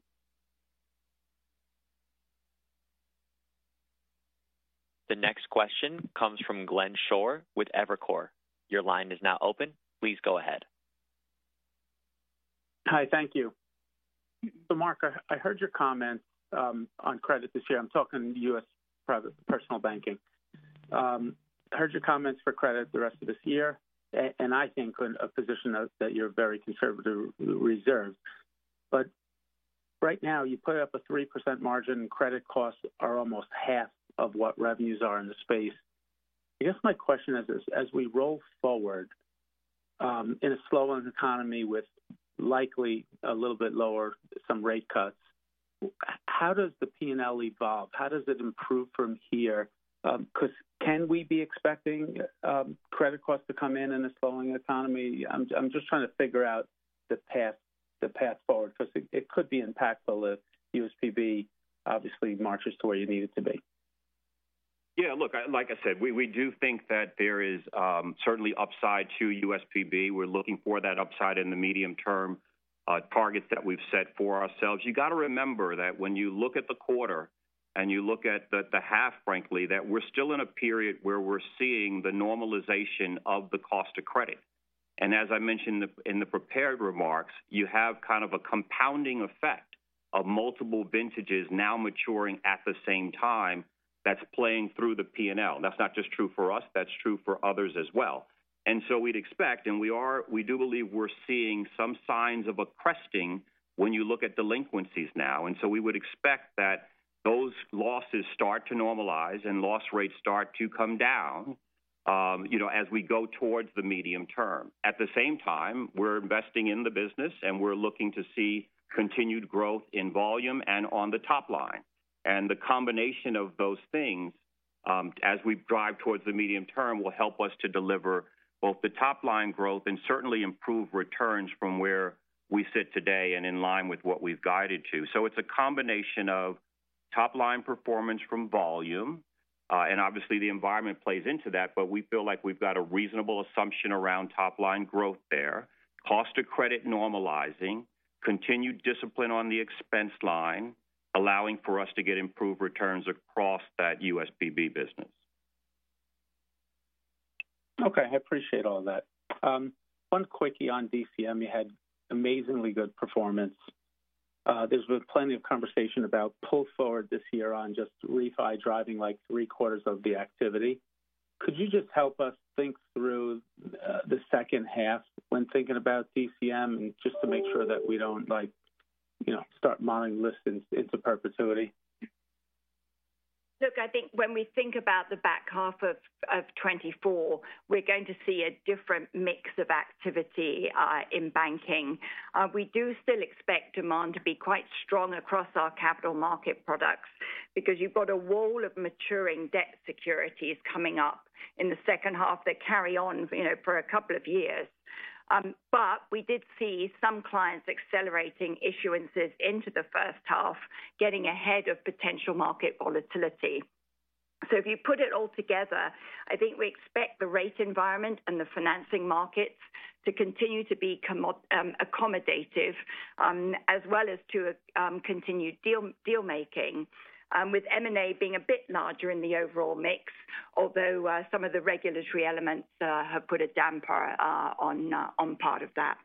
The next question comes from Glenn Schorr with Evercore. Your line is now open. Please go ahead. Hi, thank you. So, Mark, I heard your comments on credit this year. I'm talking US private personal banking. Heard your comments for credit the rest of this year, and I think in a position of, that you're very conservative reserved. But right now, you put up a 3% margin, and credit costs are almost half of what revenues are in the space. I guess my question is this: As we roll forward, in a slowing economy with likely a little bit lower, some rate cuts, how does the P&L evolve? How does it improve from here? Because can we be expecting, credit costs to come in in a slowing economy? I'm just trying to figure out the path, the path forward, because it could be impactful if USPB obviously marches to where you need it to be. Yeah, look, like I said, we do think that there is certainly upside to USPB. We're looking for that upside in the medium-term targets that we've set for ourselves. You got to remember that when you look at the quarter and you look at the half, frankly, that we're still in a period where we're seeing the normalization of the cost of credit. And as I mentioned in the prepared remarks, you have kind of a compounding effect of multiple vintages now maturing at the same time that's playing through the P&L. That's not just true for us, that's true for others as well. And so we'd expect, and we do believe we're seeing some signs of a cresting when you look at delinquencies now, and so we would expect that those losses start to normalize and loss rates start to come down, you know, as we go towards the medium term. At the same time, we're investing in the business, and we're looking to see continued growth in volume and on the top line. And the combination of those things, as we drive towards the medium term, will help us to deliver both the top line growth and certainly improve returns from where we sit today and in line with what we've guided to. So it's a combination of top-line performance from volume, and obviously, the environment plays into that, but we feel like we've got a reasonable assumption around top-line growth there. Cost of credit normalizing, continued discipline on the expense line, allowing for us to get improved returns across that USPB business. Okay, I appreciate all that. One quickie on DCM. You had amazingly good performance. There's been plenty of conversation about pull forward this year on just refi driving, like, three-quarters of the activity. Could you just help us think through the second half when thinking about DCM, and just to make sure that we don't like, you know, start modeling this into perpetuity? Look, I think when we think about the back half of 2024, we're going to see a different mix of activity in banking. We do still expect demand to be quite strong across our capital market products because you've got a wall of maturing debt securities coming up in the second half that carry on, you know, for a couple of years. But we did see some clients accelerating issuances into the first half, getting ahead of potential market volatility. So if you put it all together, I think we expect the rate environment and the financing markets to continue to be accommodative, as well as continued deal making, with M&A being a bit larger in the overall mix, although some of the regulatory elements have put a damper on part of that.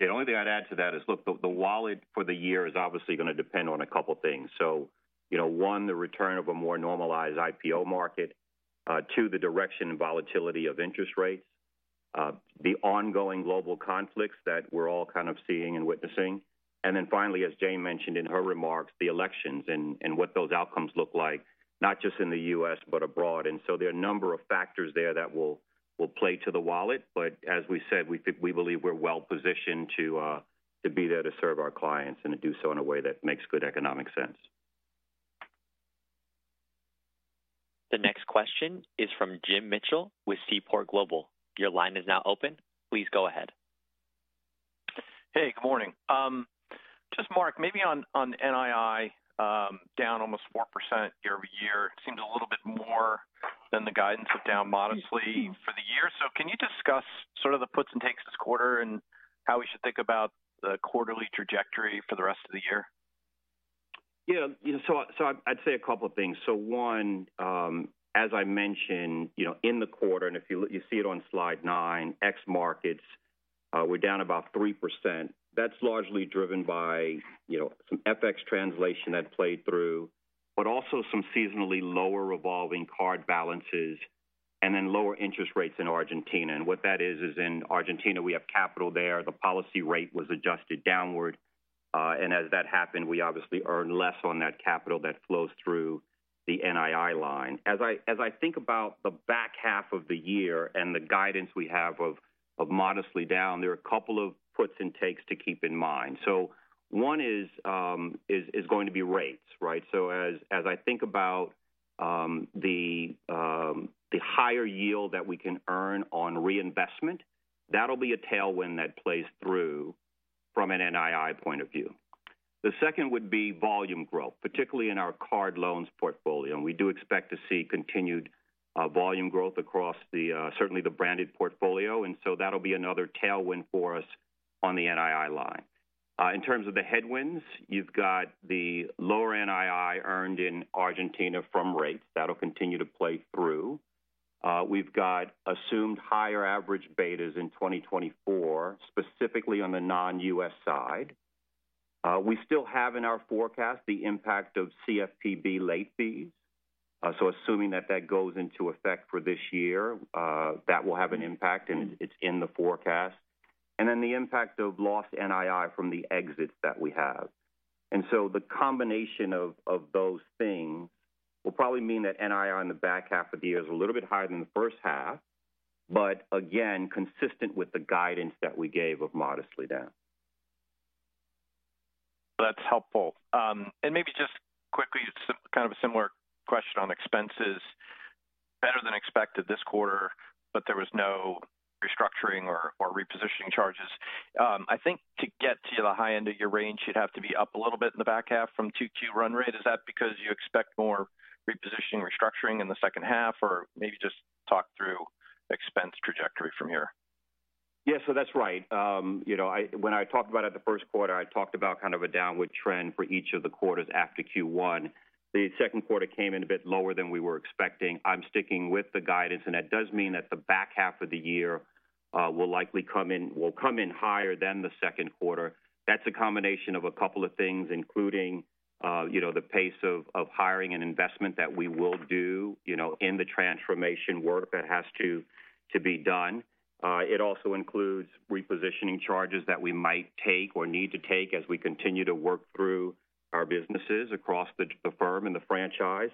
The only thing I'd add to that is, look, the wallet for the year is obviously going to depend on a couple of things. So, you know, one, the return of a more normalized IPO market. Two, the direction and volatility of interest rates. The ongoing global conflicts that we're all kind of seeing and witnessing. And then finally, as Jane mentioned in her remarks, the elections and what those outcomes look like, not just in the US, but abroad. And so there are a number of factors there that will play to the wallet. But as we said, we believe we're well positioned to be there to serve our clients and to do so in a way that makes good economic sense. The next question is from Jim Mitchell with Seaport Global. Your line is now open. Please go ahead. Hey, good morning. Just Mark, maybe on, on NII, down almost 4% year-over-year. Seemed a little bit more than the guidance of down modestly for the year. So can you discuss sort of the puts and takes this quarter and how we should think about the quarterly trajectory for the rest of the year? Yeah, you know, so, so I'd say a couple of things. So one, as I mentioned, you know, in the quarter, and if you see it on slide 9, ex markets, we're down about 3%. That's largely driven by, you know, some FX translation that played through, but also some seasonally lower revolving card balances and then lower interest rates in Argentina. And what that is, is in Argentina, we have capital there. The policy rate was adjusted downward, and as that happened, we obviously earned less on that capital that flows through the NII line. As I think about the back half of the year and the guidance we have of modestly down, there are a couple of puts and takes to keep in mind. So one is going to be rates, right? So as I think about the higher yield that we can earn on reinvestment, that'll be a tailwind that plays through from an NII point of view. The second would be volume growth, particularly in our card loans portfolio. And we do expect to see continued volume growth across the certainly the branded portfolio, and so that'll be another tailwind for us on the NII line. In terms of the headwinds, you've got the lower NII earned in Argentina from rates. That'll continue to play through. We've got assumed higher average betas in 2024, specifically on the non-US side. We still have in our forecast the impact of CFPB late fees. So assuming that that goes into effect for this year, that will have an impact, and it's in the forecast. And then the impact of lost NII from the exits that we have. And so the combination of those things will probably mean that NII in the back half of the year is a little bit higher than the first half, but again, consistent with the guidance that we gave of modestly down. That's helpful. And maybe just quickly, kind of a similar question on expenses. Better than expected this quarter, but there was no restructuring or repositioning charges. I think to get to the high end of your range, you'd have to be up a little bit in the back half from 2Q run rate. Is that because you expect more repositioning, restructuring in the second half? Or maybe just talk through expense trajectory from here.... Yes, so that's right. You know, when I talked about it the first quarter, I talked about kind of a downward trend for each of the quarters after Q1. The second quarter came in a bit lower than we were expecting. I'm sticking with the guidance, and that does mean that the back half of the year will likely come in higher than the second quarter. That's a combination of a couple of things, including, you know, the pace of hiring and investment that we will do, you know, in the transformation work that has to be done. It also includes repositioning charges that we might take or need to take as we continue to work through our businesses across the firm and the franchise.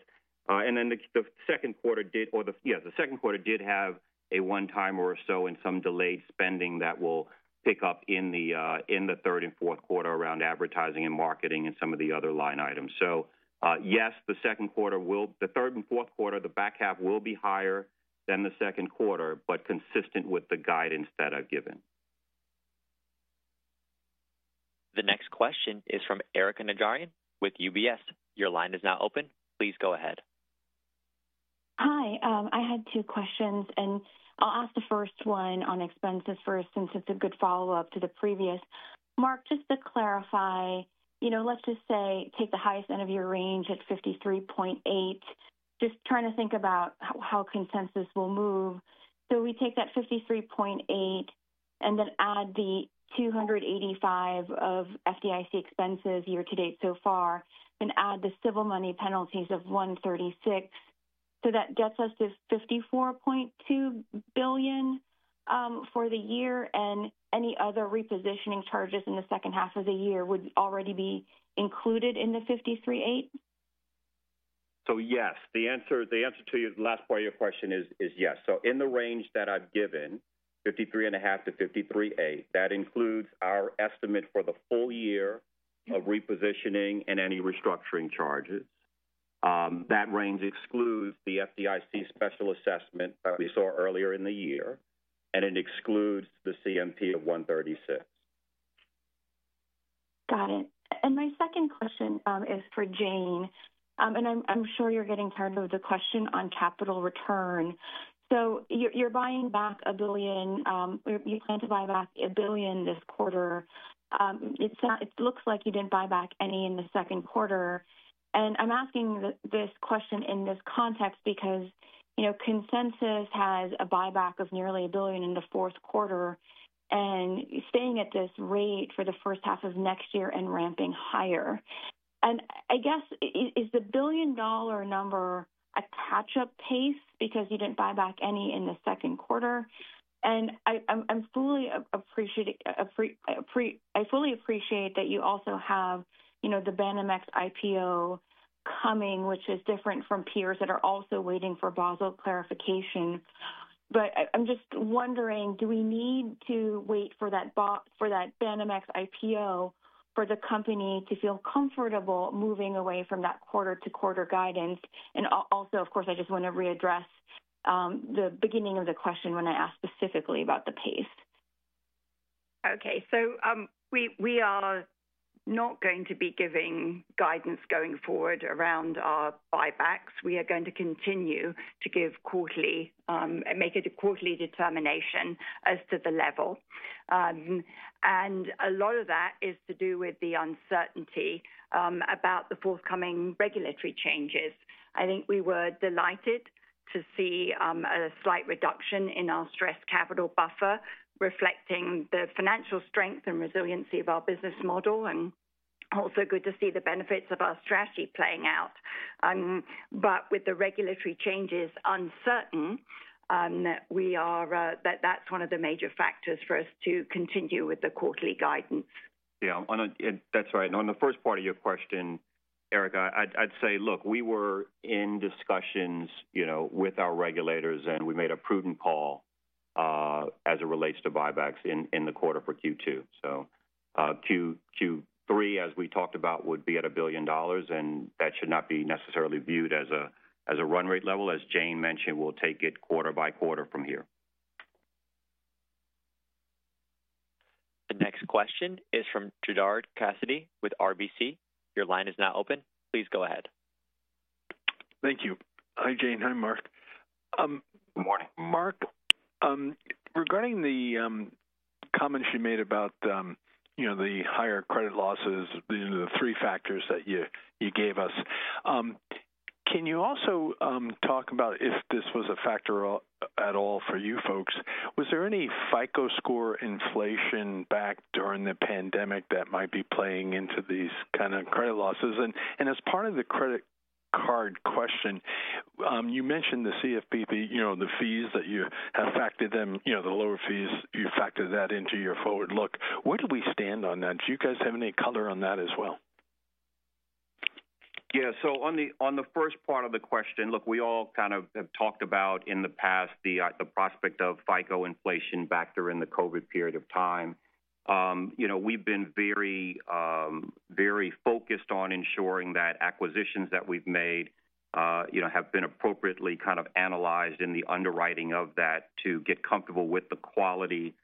And then the second quarter did or the... Yes, the second quarter did have a one-time or so and some delayed spending that will pick up in the third and fourth quarter around advertising and marketing and some of the other line items. So, yes, the third and fourth quarter, the back half will be higher than the second quarter, but consistent with the guidance that I've given. The next question is from Erika Najarian with UBS. Your line is now open. Please go ahead. Hi, I had two questions, and I'll ask the first one on expenses first, since it's a good follow-up to the previous. Mark, just to clarify, you know, let's just say, take the highest end of your range at $53.8 billion. Just trying to think about how consensus will move. So we take that $53.8 billion and then add the $285 million of FDIC expenses year to date so far, and add the civil money penalties of $136 million. So that gets us to $54.2 billion for the year. And any other repositioning charges in the second half of the year would already be included in the $53.8 billion? So yes. The answer to your last part of your question is yes. So in the range that I've given, $53.5 to $53.8 billion, that includes our estimate for the full year of repositioning and any restructuring charges. That range excludes the FDIC special assessment we saw earlier in the year, and it excludes the CMP of $136 million. Got it. And my second question is for Jane. And I'm sure you're getting tired of the question on capital return. So you're buying back $1 billion. You plan to buy back $1 billion this quarter. It looks like you didn't buy back any in the second quarter. And I'm asking this question in this context because, you know, consensus has a buyback of nearly $1 billion in the fourth quarter, and staying at this rate for the first half of next year and ramping higher. And I guess is the $1 billion number a catch-up pace because you didn't buy back any in the second quarter? I fully appreciate that you also have, you know, the Banamex IPO coming, which is different from peers that are also waiting for Basel clarification. But I'm just wondering, do we need to wait for that Banamex IPO for the company to feel comfortable moving away from that quarter-to-quarter guidance? And also, of course, I just want to readdress the beginning of the question when I asked specifically about the pace. Okay. So, we are not going to be giving guidance going forward around our buybacks. We are going to continue to give quarterly, make it a quarterly determination as to the level. And a lot of that is to do with the uncertainty about the forthcoming regulatory changes. I think we were delighted to see a slight reduction in our Stress Capital Buffer, reflecting the financial strength and resiliency of our business model, and also good to see the benefits of our strategy playing out. But with the regulatory changes uncertain, we are... That's one of the major factors for us to continue with the quarterly guidance. Yeah, that's right. And on the first part of your question, Erika, I'd say, look, we were in discussions, you know, with our regulators, and we made a prudent call as it relates to buybacks in the quarter for Q2. So, Q3, as we talked about, would be at $1 billion, and that should not be necessarily viewed as a run rate level. As Jane mentioned, we'll take it quarter by quarter from here. The next question is from Gerard Cassidy with RBC. Your line is now open. Please go ahead. Thank you. Hi, Jane. Hi, Mark. Good morning. Mark, regarding the comments you made about, you know, the higher credit losses, you know, the three factors that you, you gave us. Can you also talk about if this was a factor at all for you folks? Was there any FICO score inflation back during the pandemic that might be playing into these kind of credit losses? And, as part of the credit card question, you mentioned the CFPB, you know, the fees that you have factored them, you know, the lower fees, you factored that into your forward look. Where do we stand on that? Do you guys have any color on that as well? Yeah, so on the first part of the question, look, we all kind of have talked about in the past the prospect of FICO inflation back during the COVID period of time. You know, we've been very very focused on ensuring that acquisitions that we've made, you know, have been appropriately kind of analyzed in the underwriting of that to get comfortable with the quality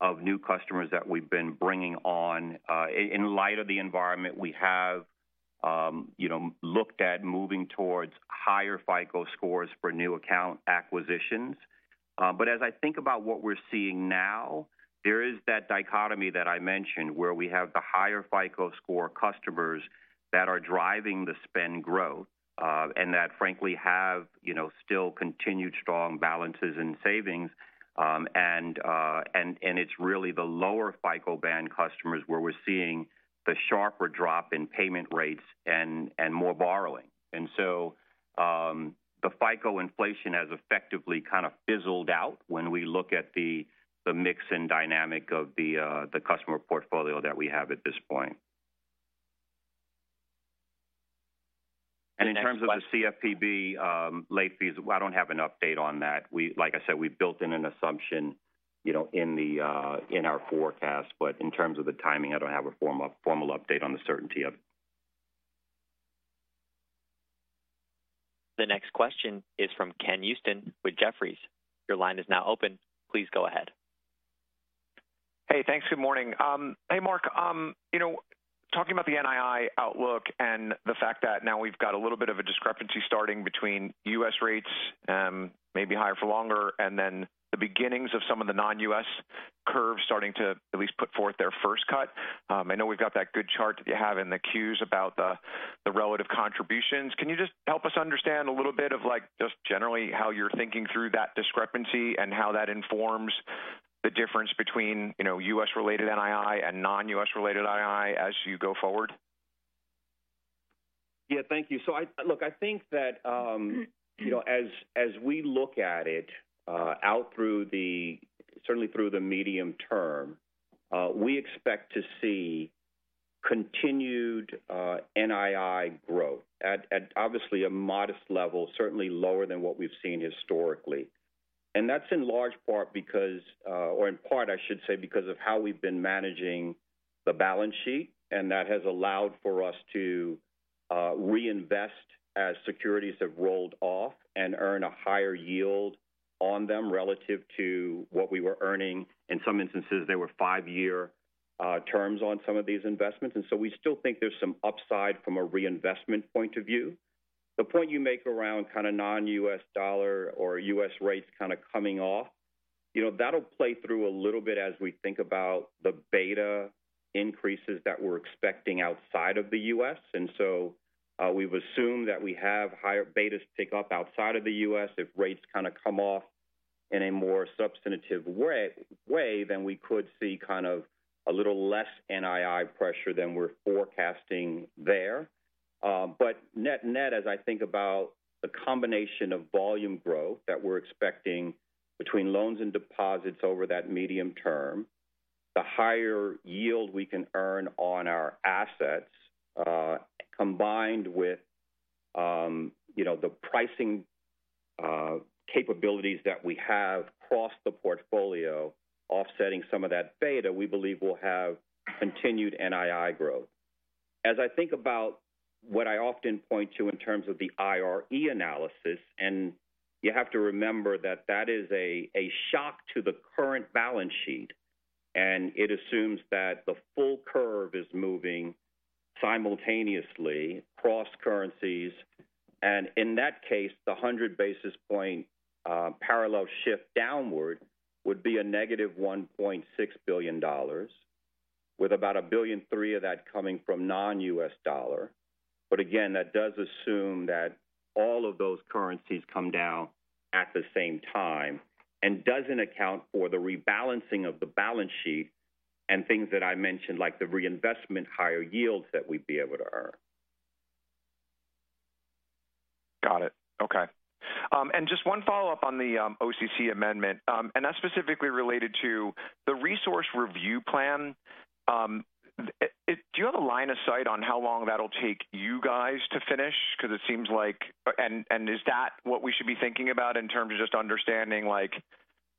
of new customers that we've been bringing on. In light of the environment, we have you know looked at moving towards higher FICO scores for new account acquisitions. But as I think about what we're seeing now, there is that dichotomy that I mentioned where we have the higher FICO score customers that are driving the spend growth, and that frankly have, you know, still continued strong balances and savings. And it's really the lower FICO band customers where we're seeing the sharper drop in payment rates and more borrowing. And so, the FICO inflation has effectively kind of fizzled out when we look at the mix and dynamic of the customer portfolio that we have at this point. And in terms of the CFPB late fees, I don't have an update on that. Like I said, we've built in an assumption, you know, in our forecast. But in terms of the timing, I don't have a formal update on the certainty of it. The next question is from Ken Usdin with Jefferies. Your line is now open. Please go ahead. Hey, thanks. Good morning. Hey, Mark, you know, talking about the NII outlook and the fact that now we've got a little bit of a discrepancy starting between US rates, maybe higher for longer, and then the beginnings of some of the non-US curves starting to at least put forth their first cut. I know we've got that good chart that you have in the queues about the relative contributions. Can you just help us understand a little bit of, like, just generally how you're thinking through that discrepancy and how that informs the difference between, you know, US-related NII and non-US-related NII as you go forward? Yeah, thank you. So I look, I think that, you know, as, as we look at it, out through the, certainly through the medium term, we expect to see continued, NII growth at, at obviously a modest level, certainly lower than what we've seen historically. And that's in large part because, or in part, I should say, because of how we've been managing the balance sheet, and that has allowed for us to reinvest as securities have rolled off and earn a higher yield on them relative to what we were earning. In some instances, they were five-year terms on some of these investments, and so we still think there's some upside from a reinvestment point of view. The point you make around kind of non-US dollar or US rates kind of coming off, you know, that'll play through a little bit as we think about the beta increases that we're expecting outside of the US. And so, we've assumed that we have higher betas pick up outside of the US. if rates kind of come off in a more substantive way, then we could see kind of a little less NII pressure than we're forecasting there. But net, net, as I think about the combination of volume growth that we're expecting between loans and deposits over that medium term, the higher yield we can earn on our assets, combined with, you know, the pricing capabilities that we have across the portfolio, offsetting some of that beta, we believe will have continued NII growth. As I think about what I often point to in terms of the IRE analysis, and you have to remember that that is a shock to the current balance sheet, and it assumes that the full curve is moving simultaneously across currencies. And in that case, the 100 basis point parallel shift downward would be a negative $1.6 billion, with about $1.3 billion of that coming from non-US dollar. But again, that does assume that all of those currencies come down at the same time and doesn't account for the rebalancing of the balance sheet and things that I mentioned, like the reinvestment higher yields that we'd be able to earn. Got it. Okay. And just one follow-up on the OCC amendment, and that's specifically related to the Resource Review Plan. Do you have a line of sight on how long that'll take you guys to finish? Because it seems like... and is that what we should be thinking about in terms of just understanding like,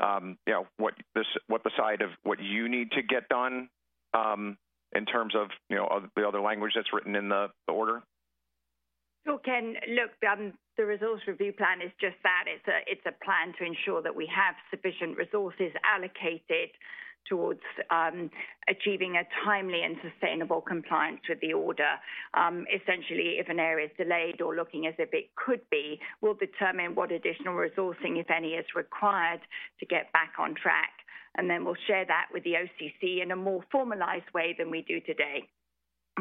you know, what this—what the size of what you need to get done, in terms of, you know, the other language that's written in the, the order? Sure, Ken. Look, the resource review plan is just that. It's a plan to ensure that we have sufficient resources allocated towards achieving a timely and sustainable compliance with the order. Essentially, if an area is delayed or looking as if it could be, we'll determine what additional resourcing, if any, is required to get back on track, and then we'll share that with the OCC in a more formalized way than we do today.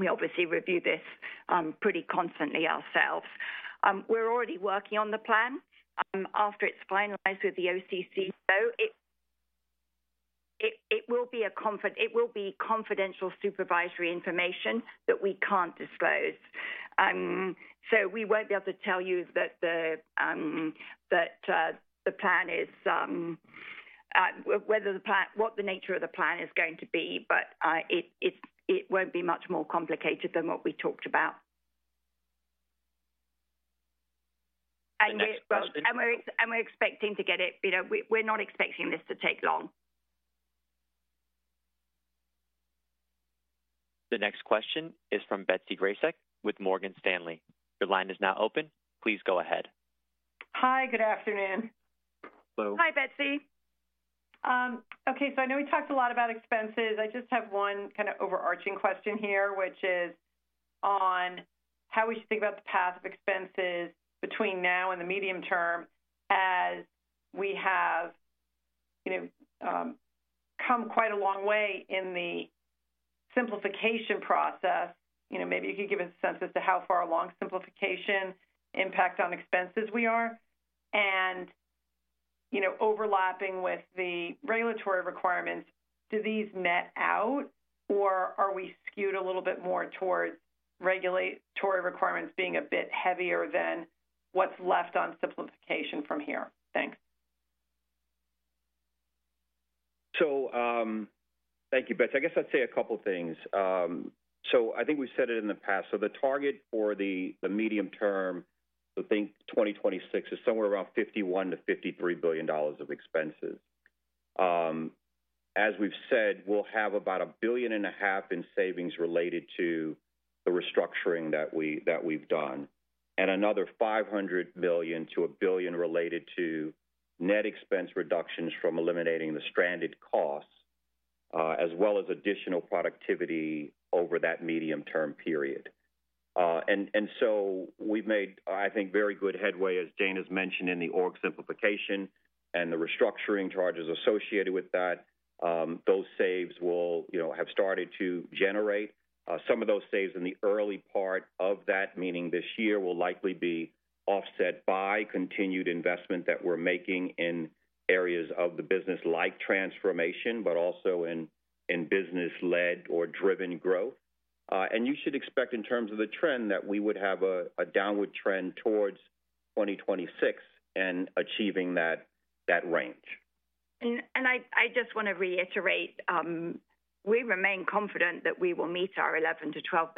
We obviously review this pretty constantly ourselves. We're already working on the plan. After it's finalized with the OCC, it will be confidential supervisory information that we can't disclose. So we won't be able to tell you that the plan—what the nature of the plan is going to be, but it won't be much more complicated than what we talked about. The next question- We're expecting to get it... You know, we're not expecting this to take long. The next question is from Betsy Graseck with Morgan Stanley. Your line is now open. Please go ahead. Hi, good afternoon. Hello. Hi, Betsy.... Okay, so I know we talked a lot about expenses. I just have one kind of overarching question here, which is on how we should think about the path of expenses between now and the medium term, as we have, you know, come quite a long way in the simplification process. You know, maybe you could give us a sense as to how far along simplification impact on expenses we are. And, you know, overlapping with the regulatory requirements, do these net out, or are we skewed a little bit more towards regulatory requirements being a bit heavier than what's left on simplification from here? Thanks. So, thank you, Betsy. I guess I'd say a couple things. So I think we've said it in the past, so the target for the medium term, so think 2026, is somewhere around $51 billion-$53 billion of expenses. As we've said, we'll have about $1.5 billion in savings related to the restructuring that we've done, and another $500 million-$1 billion related to net expense reductions from eliminating the stranded costs, as well as additional productivity over that medium-term period. And so we've made, I think, very good headway, as Jane has mentioned, in the org simplification and the restructuring charges associated with that. Those saves will, you know, have started to generate. Some of those saves in the early part of that, meaning this year, will likely be offset by continued investment that we're making in areas of the business like transformation, but also in business-led or driven growth. And you should expect, in terms of the trend, that we would have a downward trend towards 2026 in achieving that range. I just want to reiterate, we remain confident that we will meet our 11%-12%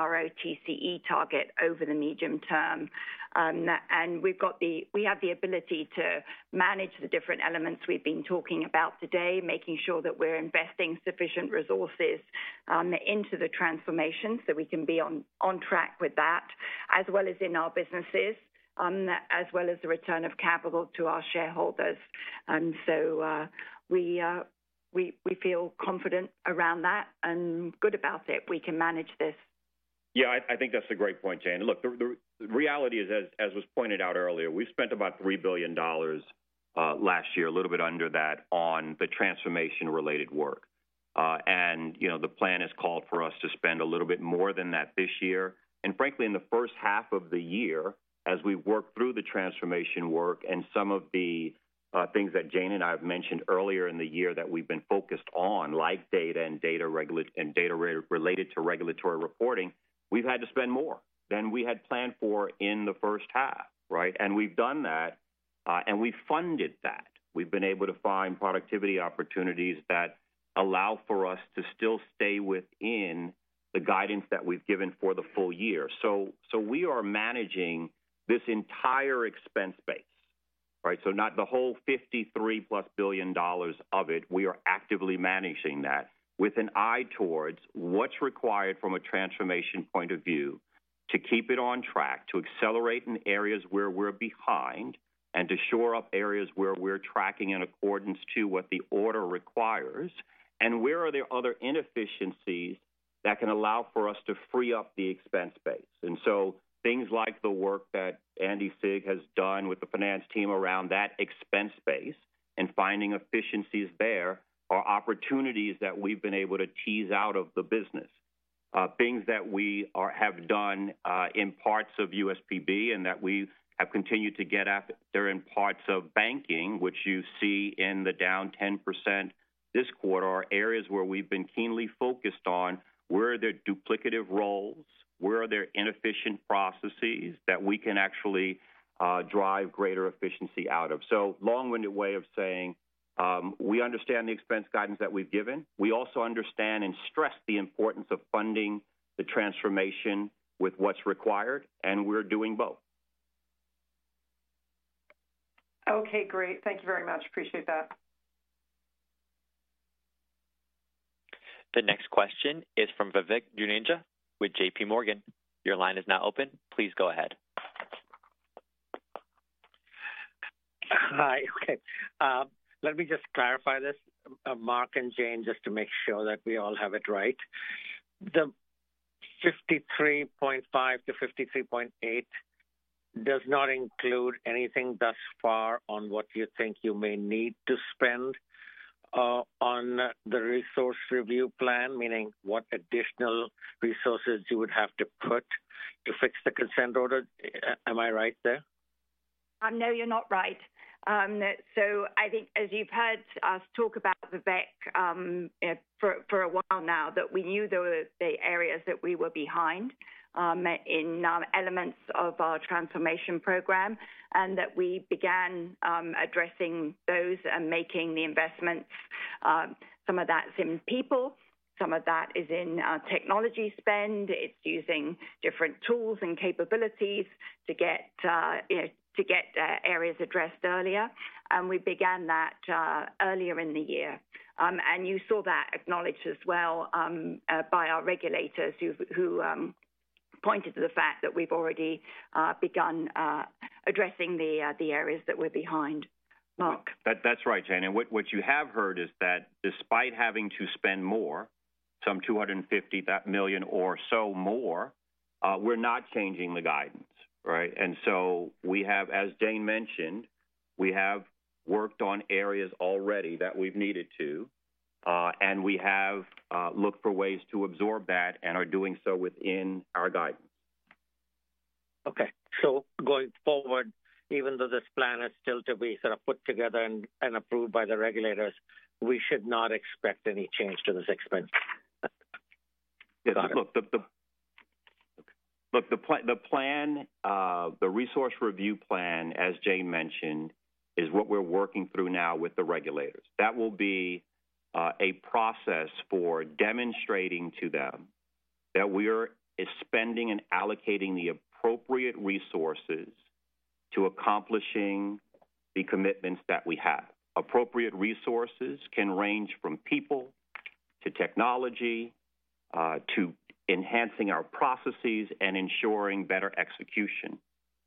ROTCE target over the medium term. And we have the ability to manage the different elements we've been talking about today, making sure that we're investing sufficient resources into the transformation, so we can be on track with that, as well as in our businesses, as well as the return of capital to our shareholders. And so, we feel confident around that and good about it. We can manage this. Yeah, I think that's a great point, Jane. Look, the reality is, as was pointed out earlier, we spent about $3 billion last year, a little bit under that, on the Transformation-related work. And, you know, the plan is called for us to spend a little bit more than that this year. And frankly, in the first half of the year, as we've worked through the Transformation work and some of the things that Jane and I have mentioned earlier in the year that we've been focused on, like data and data regulatory and data related to regulatory reporting, we've had to spend more than we had planned for in the first half, right? And we've done that, and we've funded that. We've been able to find productivity opportunities that allow for us to still stay within the guidance that we've given for the full year. So, so we are managing this entire expense base, right? So not the whole $53+ billion of it, we are actively managing that with an eye towards what's required from a transformation point of view to keep it on track, to accelerate in areas where we're behind, and to shore up areas where we're tracking in accordance to what the order requires. And where are there other inefficiencies that can allow for us to free up the expense base? And so things like the work that Andy Sieg has done with the finance team around that expense base and finding efficiencies there, are opportunities that we've been able to tease out of the business. Things that we have done in parts of USPB and that we have continued to get at, they're in parts of banking, which you see in the down 10% this quarter, are areas where we've been keenly focused on where are there duplicative roles, where are there inefficient processes that we can actually drive greater efficiency out of? So long-winded way of saying, we understand the expense guidance that we've given. We also understand and stress the importance of funding the transformation with what's required, and we're doing both. Okay, great. Thank you very much. Appreciate that. The next question is from Vivek Juneja with J.P. Morgan. Your line is now open. Please go ahead. Hi. Okay, let me just clarify this, Mark and Jane, just to make sure that we all have it right. The 53.5 to 53.8 does not include anything thus far on what you think you may need to spend, on the Resource Review Plan, meaning what additional resources you would have to put to fix the Consent Order. Am I right there? No, you're not right. So I think as you've heard us talk about, Vivek, for a while now, that we knew there were the areas that we were behind in elements of our Transformation program, and that we began addressing those and making the investments. Some of that's in people, some of that is in our technology spend. It's using different tools and capabilities to get, you know, to get areas addressed earlier. And we began that earlier in the year. And you saw that acknowledged as well by our regulators, who pointed to the fact that we've already begun addressing the areas that we're behind. Mark? That, that's right, Jane, and what, what you have heard is that despite having to spend more, some $250 million or so more, we're not changing the guidance, right? And so we have, as Jane mentioned, we have worked on areas already that we've needed to, and we have looked for ways to absorb that and are doing so within our guidance. Okay. So going forward, even though this plan is still to be sort of put together and approved by the regulators, we should not expect any change to this expense? Yeah, look, the plan, the resource review plan, as Jane mentioned, is what we're working through now with the regulators. That will be a process for demonstrating to them that we're spending and allocating the appropriate resources to accomplishing the commitments that we have. Appropriate resources can range from people, to technology, to enhancing our processes and ensuring better execution.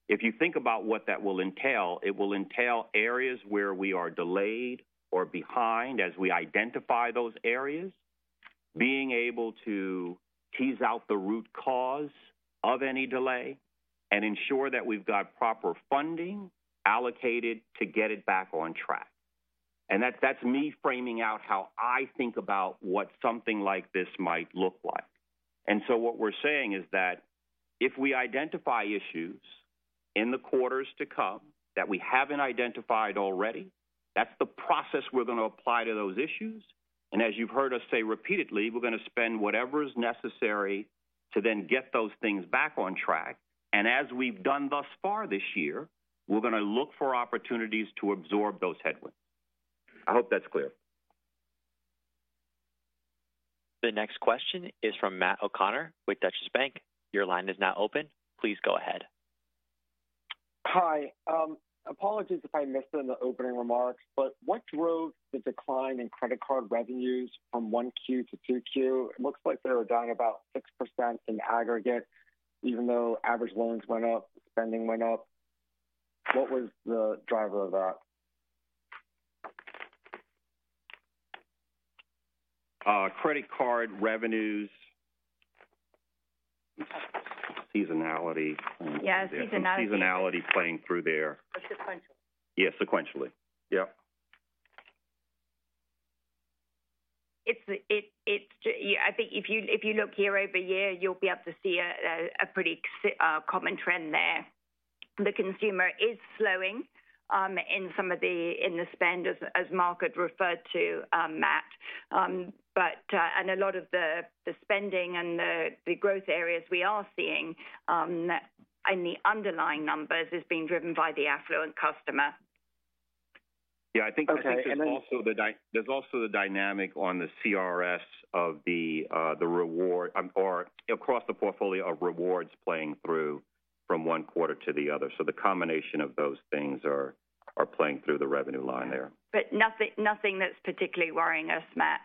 If you think about what that will entail, it will entail areas where we are delayed or behind, as we identify those areas, being able to tease out the root cause of any delay and ensure that we've got proper funding allocated to get it back on track. And that's me framing out how I think about what something like this might look like. What we're saying is that if we identify issues in the quarters to come that we haven't identified already, that's the process we're going to apply to those issues. As you've heard us say repeatedly, we're going to spend whatever is necessary to then get those things back on track. As we've done thus far this year, we're going to look for opportunities to absorb those headwinds. I hope that's clear. The next question is from Matt O'Connor with Deutsche Bank. Your line is now open. Please go ahead. Hi. Apologies if I missed it in the opening remarks, but what drove the decline in credit card revenues from 1Q to 2Q? It looks like they were down about 6% in aggregate, even though average loans went up, spending went up. What was the driver of that? Credit card revenues. Seasonality. Yeah, seasonality. Seasonality playing through there. Sequentially. Yeah, sequentially. Yep. It's, I think if you look year over year, you'll be able to see a pretty common trend there. The consumer is slowing in some of the spend, as Mark had referred to, Matt. But, and a lot of the spending and the growth areas we are seeing in the underlying numbers is being driven by the affluent customer. Yeah, I think- Okay, and then- There's also the dynamic on the CRS of the reward or across the portfolio of rewards playing through from one quarter to the other. So the combination of those things are playing through the revenue line there. But nothing, nothing that's particularly worrying us, Matt.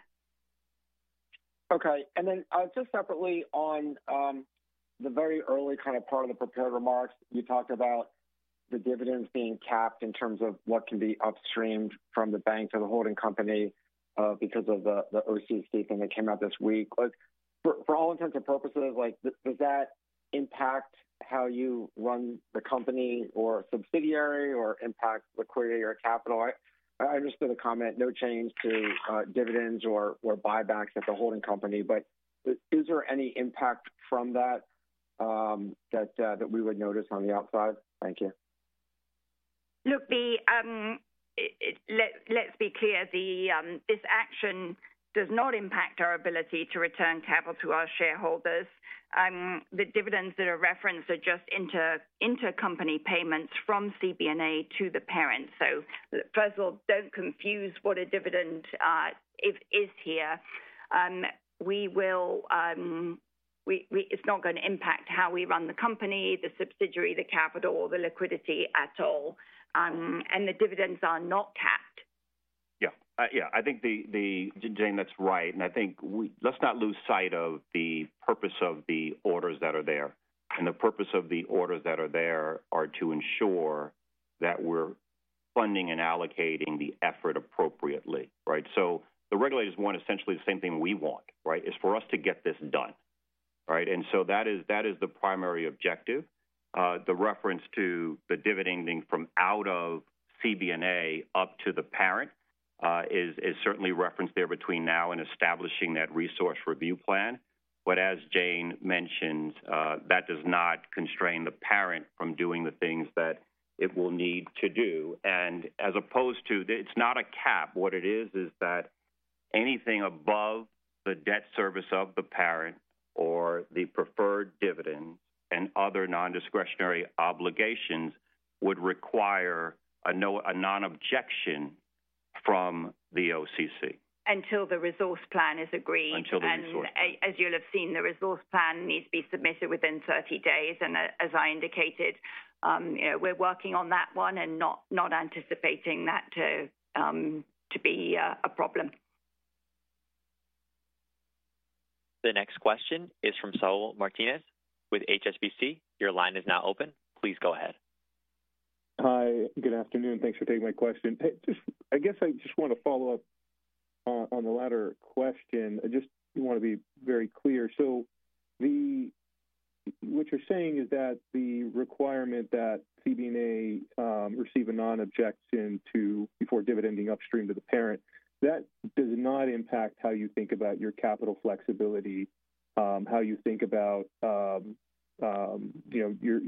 Okay. And then, just separately on, the very early kind of part of the prepared remarks, you talked about the dividends being capped in terms of what can be upstreamed from the bank to the holding company, because of the OCC thing that came out this week. Like, for all intents and purposes, like, does that impact how you run the company or subsidiary, or impact liquidity or capital? I understood the comment, no change to dividends or buybacks at the holding company, but is there any impact from that, that we would notice on the outside? Thank you. Look, let's be clear. This action does not impact our ability to return capital to our shareholders. The dividends that are referenced are just intercompany payments from CBNA to the parent. So first of all, don't confuse what a dividend is here. It's not going to impact how we run the company, the subsidiary, the capital, or the liquidity at all, and the dividends are not capped. Yeah. Yeah, I think the Jane, that's right. And I think let's not lose sight of the purpose of the orders that are there. And the purpose of the orders that are there are to ensure that we're funding and allocating the effort appropriately, right? So the regulators want essentially the same thing we want, right? Is for us to get this done, right? And so that is the primary objective. The reference to the dividend from out of CBNA up to the parent is certainly referenced there between now and establishing that Resource Review Plan. But as Jane mentioned, that does not constrain the parent from doing the things that it will need to do. And as opposed to... It's not a cap. What it is, is that anything above the debt service of the parent or the preferred dividends and other non-discretionary obligations would require a non-objection from the OCC. Until the resource plan is agreed. Until the resource plan. As you'll have seen, the resource plan needs to be submitted within 30 days. As I indicated, you know, we're working on that one and not anticipating that to be a problem. The next question is from Saul Martinez with HSBC. Your line is now open. Please go ahead. Hi, good afternoon. Thanks for taking my question. Hey, just I guess I just want to follow up on the latter question. I just want to be very clear. So the what you're saying is that the requirement that CBNA receive a non-objection to before dividending upstream to the parent, that does not impact how you think about your capital flexibility, how you think about, you know, your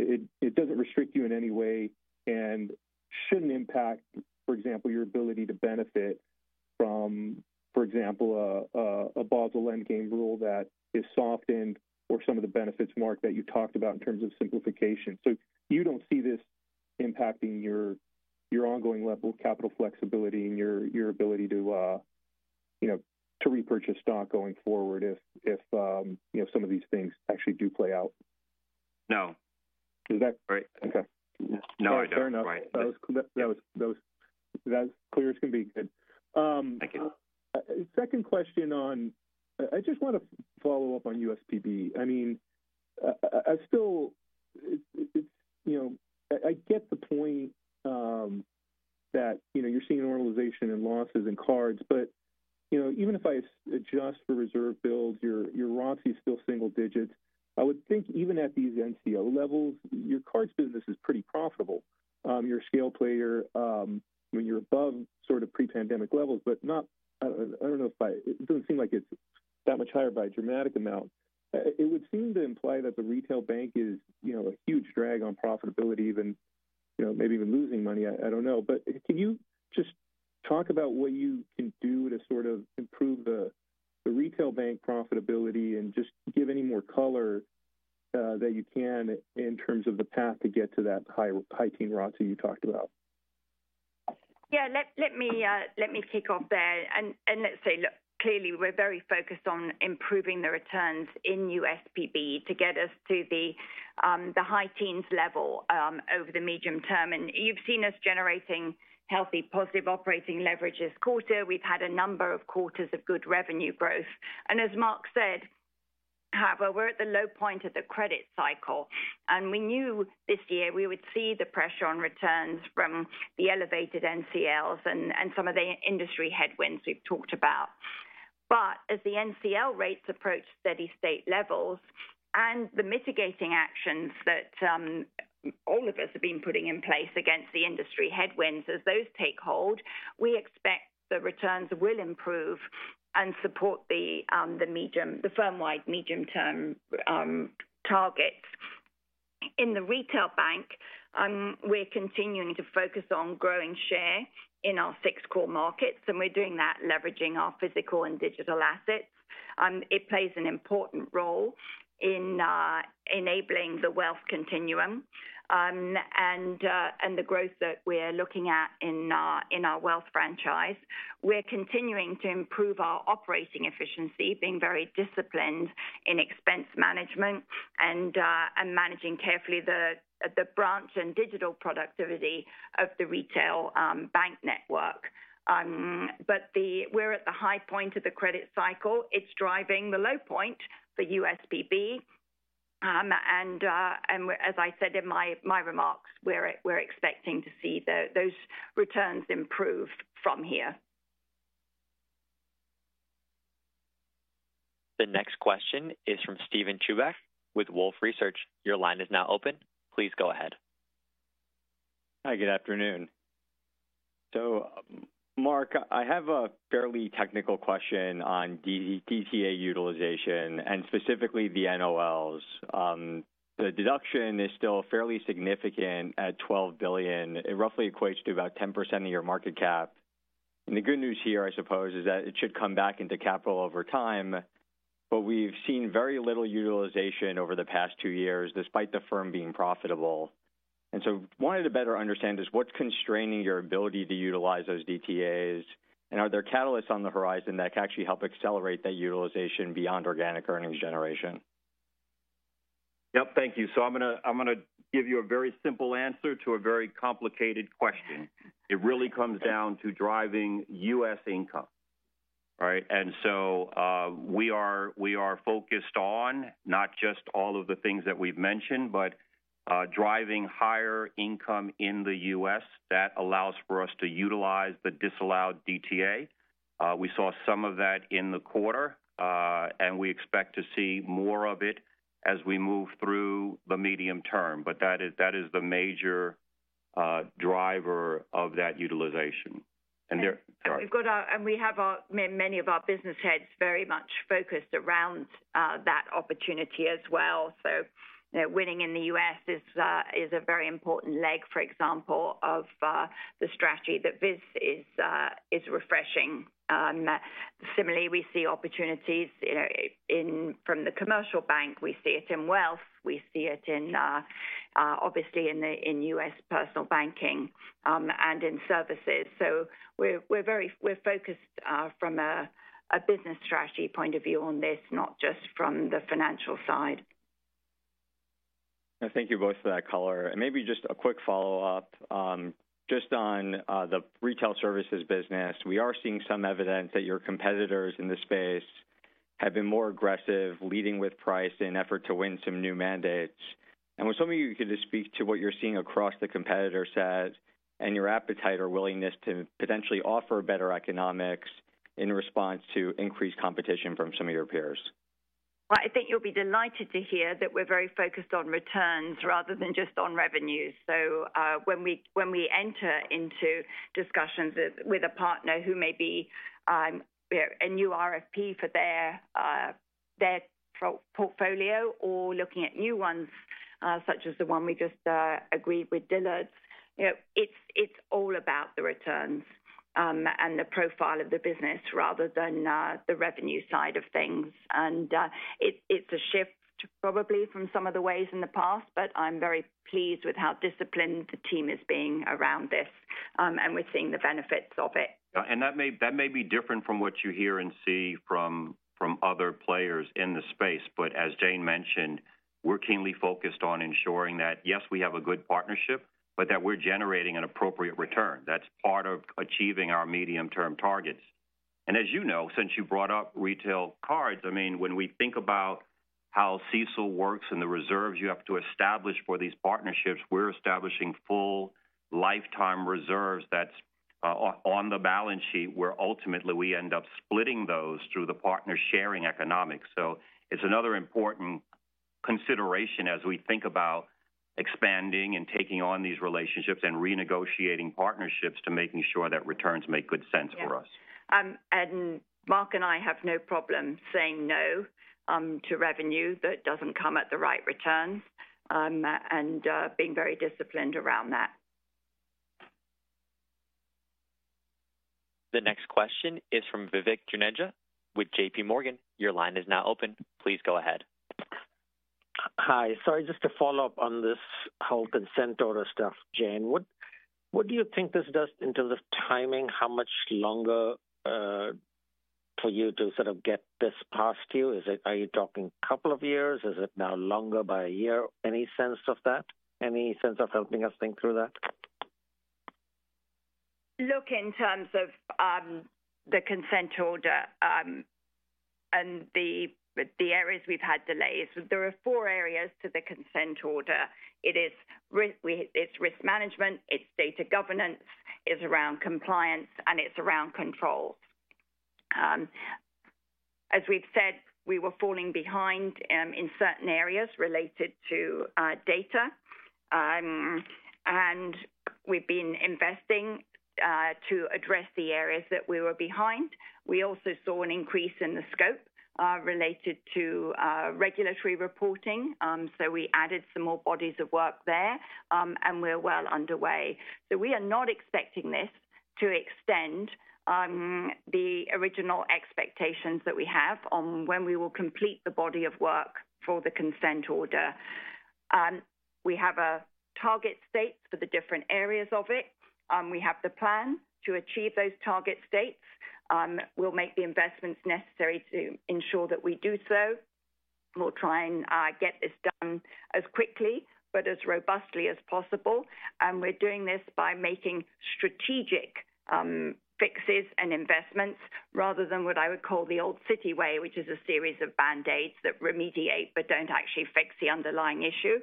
it, it doesn't restrict you in any way and shouldn't impact, for example, your ability to benefit from, for example, a Basel endgame rule that is softened or some of the benefits, Mark, that you talked about in terms of simplification. So you don't see this impacting your ongoing level of capital flexibility and your ability to, you know, to repurchase stock going forward if, you know, some of these things actually do play out? No. Is that- Right. Okay. No, I don't. Fair enough. That was clear as can be. Good. Thank you. Second question on... I just want to follow up on USPB. I mean, I still, it's, you know, I get the point, that, you know, you're seeing a normalization in losses in cards, but, you know, even if I adjust for reserve builds, your ROTCE is still single digits. I would think even at these NCL levels, your cards business is pretty profitable. You're a scale player, I mean, you're above sort of pre-pandemic levels, but not, I don't know if by... It doesn't seem like it's that much higher by a dramatic amount. It would seem to imply that the retail bank is, you know, a huge drag on profitability, even, you know, maybe even losing money. I don't know. Can you just talk about what you can do to sort of improve the retail bank profitability and just give any more color that you can in terms of the path to get to that high-teen ROTCE you talked about? Yeah, let me kick off there. And let's say, look, clearly, we're very focused on improving the returns in USPB to get us to the high teens level over the medium term. And you've seen us generating healthy, positive operating leverage this quarter. We've had a number of quarters of good revenue growth. And as Mark said, however, we're at the low point of the credit cycle, and we knew this year we would see the pressure on returns from the elevated NCLs and some of the industry headwinds we've talked about. But as the NCL rates approach steady state levels and the mitigating actions that all of us have been putting in place against the industry headwinds, as those take hold, we expect the returns will improve and support the medium- the firm-wide medium-term targets. In the retail bank, we're continuing to focus on growing share in our six core markets, and we're doing that leveraging our physical and digital assets. It plays an important role in enabling the wealth continuum, and the growth that we're looking at in our wealth franchise. We're continuing to improve our operating efficiency, being very disciplined in expense management and managing carefully the branch and digital productivity of the retail bank network. But we're at the high point of the credit cycle. It's driving the low point for USPB. And as I said in my remarks, we're expecting to see those returns improve from here. The next question is from Steven Chuback with Wolfe Research. Your line is now open. Please go ahead. Hi, good afternoon. So, Mark, I have a fairly technical question on DTA utilization and specifically the NOLs. The deduction is still fairly significant at $12 billion. It roughly equates to about 10% of your market cap. And the good news here, I suppose, is that it should come back into capital over time, but we've seen very little utilization over the past two years, despite the firm being profitable. And so wanted to better understand is what's constraining your ability to utilize those DTAs, and are there catalysts on the horizon that can actually help accelerate that utilization beyond organic earnings generation? Yep, thank you. So I'm going to give you a very simple answer to a very complicated question. It really comes down to driving US income. All right? And so, we are focused on not just all of the things that we've mentioned, but driving higher income in the US. That allows for us to utilize the disallowed DTA. We saw some of that in the quarter, and we expect to see more of it as we move through the medium term. But that is the major driver of that utilization. And there—sorry. We have many of our business heads very much focused around that opportunity as well. So, you know, winning in the US is a very important leg, for example, of the strategy that Vis is refreshing. Similarly, we see opportunities, you know, in from the commercial bank. We see it in wealth, we see it in obviously in US personal banking, and in services. So we're very focused from a business strategy point of view on this, not just from the financial side. ... Thank you both for that color. Maybe just a quick follow-up. Just on the retail services business, we are seeing some evidence that your competitors in this space have been more aggressive, leading with price in an effort to win some new mandates. I was wondering if you could just speak to what you're seeing across the competitor set and your appetite or willingness to potentially offer better economics in response to increased competition from some of your peers. Well, I think you'll be delighted to hear that we're very focused on returns rather than just on revenues. So, when we enter into discussions with a partner who may be, you know, a new RFP for their private portfolio or looking at new ones, such as the one we just agreed with Dillard's, you know, it's all about the returns, and the profile of the business rather than the revenue side of things. And, it's a shift probably from some of the ways in the past, but I'm very pleased with how disciplined the team is being around this, and we're seeing the benefits of it. Yeah, and that may, that may be different from what you hear and see from, from other players in the space. But as Jane mentioned, we're keenly focused on ensuring that, yes, we have a good partnership, but that we're generating an appropriate return. That's part of achieving our medium-term targets. And as you know, since you brought up retail cards, I mean, when we think about how CECL works and the reserves you have to establish for these partnerships, we're establishing full lifetime reserves that's on the balance sheet, where ultimately we end up splitting those through the partner sharing economics. So it's another important consideration as we think about expanding and taking on these relationships and renegotiating partnerships to making sure that returns make good sense for us. Yeah. Mark and I have no problem saying no to revenue that doesn't come at the right returns, and being very disciplined around that. The next question is from Vivek Juneja with JPMorgan. Your line is now open. Please go ahead. Hi. Sorry, just to follow up on this whole consent order stuff, Jane. What, what do you think this does in terms of timing? How much longer for you to sort of get this past you? Are you talking couple of years? Is it now longer by a year? Any sense of that? Any sense of helping us think through that? Look, in terms of the consent order and the areas we've had delays, there are four areas to the consent order. It is—it's risk management, it's data governance, it's around compliance, and it's around control. As we've said, we were falling behind in certain areas related to data. And we've been investing to address the areas that we were behind. We also saw an increase in the scope related to regulatory reporting. So we added some more bodies of work there, and we're well underway. So we are not expecting this to extend the original expectations that we have on when we will complete the body of work for the consent order. We have a target dates for the different areas of it. We have the plan to achieve those target dates. We'll make the investments necessary to ensure that we do so. We'll try and get this done as quickly but as robustly as possible. And we're doing this by making strategic fixes and investments rather than what I would call the old Citi way, which is a series of band-aids that remediate but don't actually fix the underlying issue.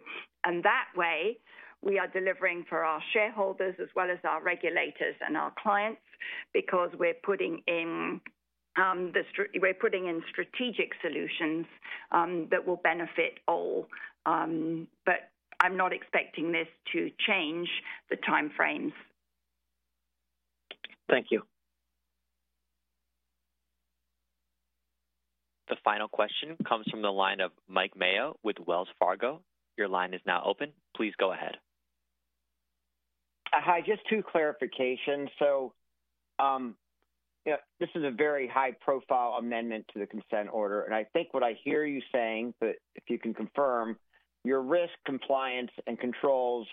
And that way, we are delivering for our shareholders as well as our regulators and our clients, because we're putting in strategic solutions that will benefit all. But I'm not expecting this to change the time frames. Thank you. The final question comes from the line of Mike Mayo with Wells Fargo. Your line is now open. Please go ahead. Hi, just two clarifications. So, you know, this is a very high-profile amendment to the consent order, and I think what I hear you saying, but if you can confirm, your risk, compliance, and controls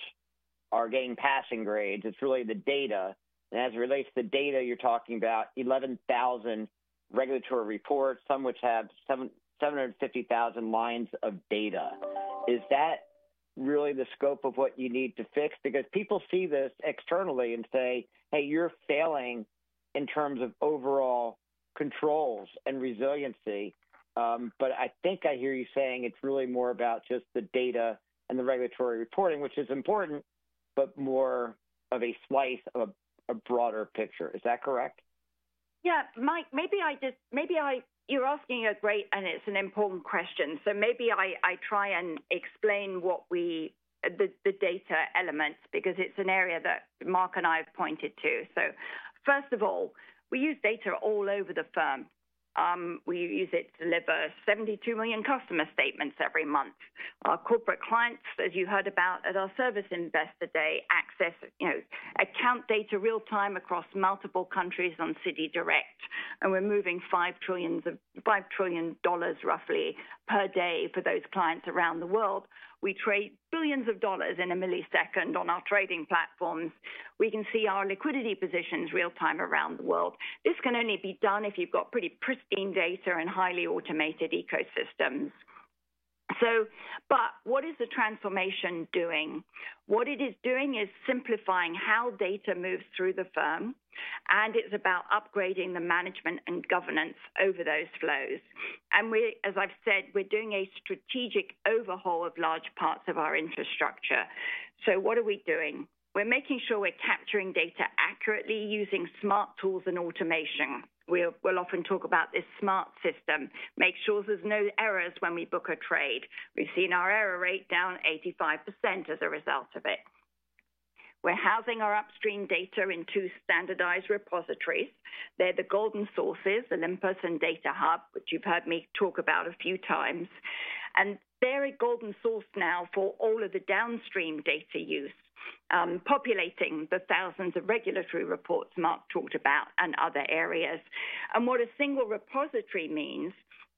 are getting passing grades. It's really the data. And as it relates to data, you're talking about 11,000 regulatory reports, some which have 750,000 lines of data. Is that really the scope of what you need to fix? Because people see this externally and say, "Hey, you're failing in terms of overall controls and resiliency." But I think I hear you saying it's really more about just the data and the regulatory reporting, which is important, but more of a slice of a broader picture. Is that correct? Yeah, Mike, maybe you're asking a great, and it's an important question, so maybe I try and explain what we—the data elements, because it's an area that Mark and I have pointed to. So first of all, we use data all over the firm. We use it to deliver 72 million customer statements every month. Our corporate clients, as you heard about at our Services Investor Day, access, you know, account data real time across multiple countries on CitiDirect, and we're moving $5 trillion roughly per day for those clients around the world. We trade billions of dollars in a millisecond on our trading platforms. We can see our liquidity positions real time around the world. This can only be done if you've got pretty pristine data and highly automated ecosystems. What is the Transformation doing? What it is doing is simplifying how data moves through the firm, and it's about upgrading the management and governance over those flows. And we, as I've said, we're doing a strategic overhaul of large parts of our infrastructure. So what are we doing? We're making sure we're capturing data accurately using smart tools and automation. We'll often talk about this smart system, make sure there's no errors when we book a trade. We've seen our error rate down 85% as a result of it. We're housing our upstream data in two standardized repositories. They're the golden sources, Olympus and Data Hub, which you've heard me talk about a few times. And they're a golden source now for all of the downstream data use, populating the thousands of regulatory reports Mark talked about and other areas. What a single repository means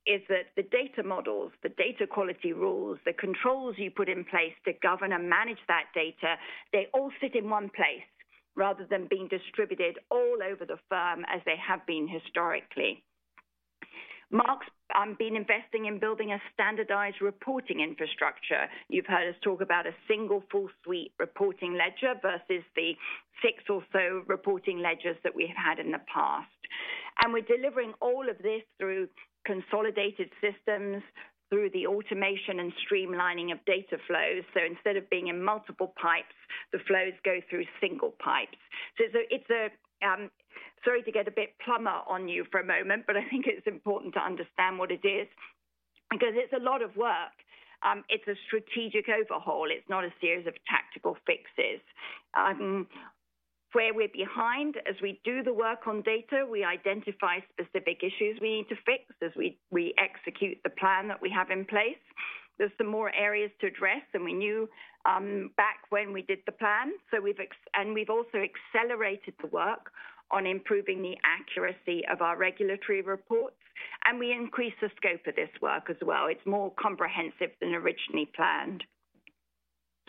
is that the data models, the data quality rules, the controls you put in place to govern and manage that data, they all sit in one place rather than being distributed all over the firm as they have been historically. Mark's been investing in building a standardized reporting infrastructure. You've heard us talk about a single full suite reporting ledger versus the six or so reporting ledgers that we've had in the past. And we're delivering all of this through consolidated systems, through the automation and streamlining of data flows. So instead of being in multiple pipes, the flows go through single pipes. So it's a, sorry to get a bit plumber on you for a moment, but I think it's important to understand what it is, because it's a lot of work. It's a strategic overhaul. It's not a series of tactical fixes. Where we're behind, as we do the work on data, we identify specific issues we need to fix as we execute the plan that we have in place. There's some more areas to address than we knew back when we did the plan. So we've and we've also accelerated the work on improving the accuracy of our regulatory reports, and we increased the scope of this work as well. It's more comprehensive than originally planned.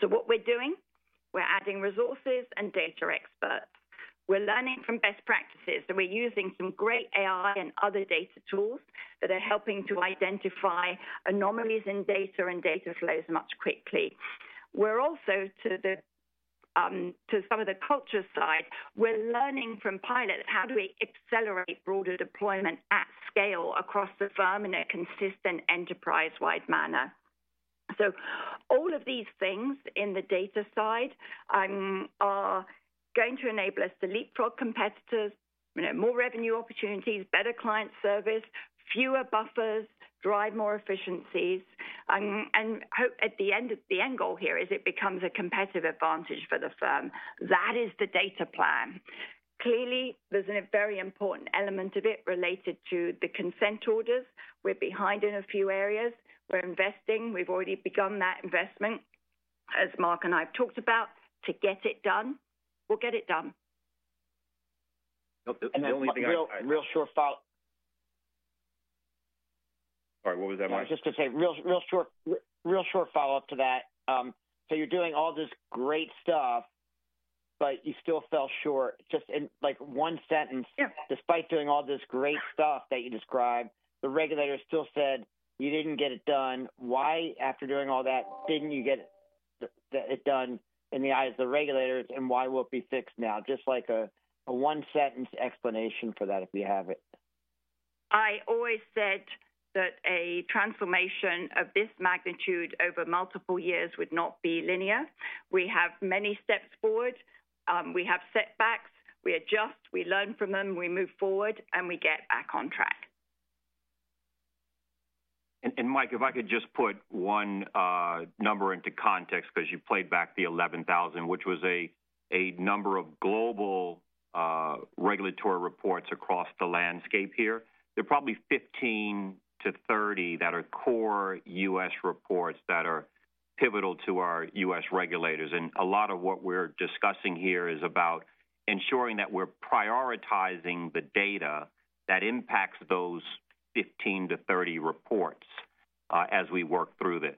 So what we're doing, we're adding resources and data experts. We're learning from best practices, and we're using some great AI and other data tools that are helping to identify anomalies in data and data flows much quickly. We're also to some of the culture side, we're learning from pilot, how do we accelerate broader deployment at scale across the firm in a consistent, enterprise-wide manner? So all of these things in the data side are going to enable us to leapfrog competitors, more revenue opportunities, better client service, fewer buffers, drive more efficiencies, and hope at the end... The end goal here is it becomes a competitive advantage for the firm. That is the data plan. Clearly, there's a very important element of it related to the consent orders. We're behind in a few areas. We're investing. We've already begun that investment, as Mark and I have talked about, to get it done. We'll get it done. The only thing I- Really, really short follow-up. Sorry, what was that, Mike? Just to say, real, real short, real short follow-up to that. So you're doing all this great stuff, but you still fell short. Just in, like, one sentence, despite doing all this great stuff that you described, the regulator still said you didn't get it done. Why, after doing all that, didn't you get it done in the eyes of the regulators, and why will it be fixed now? Just like a one-sentence explanation for that, if you have it. I always said that a transformation of this magnitude over multiple years would not be linear. We have many steps forward, we have setbacks, we adjust, we learn from them, we move forward, and we get back on track. Mike, if I could just put one number into context, because you played back the 11,000, which was a number of global regulatory reports across the landscape here. There are probably 15 to 30 that are core US reports that are pivotal to our US regulators, and a lot of what we're discussing here is about ensuring that we're prioritizing the data that impacts those 15-30 reports, as we work through this.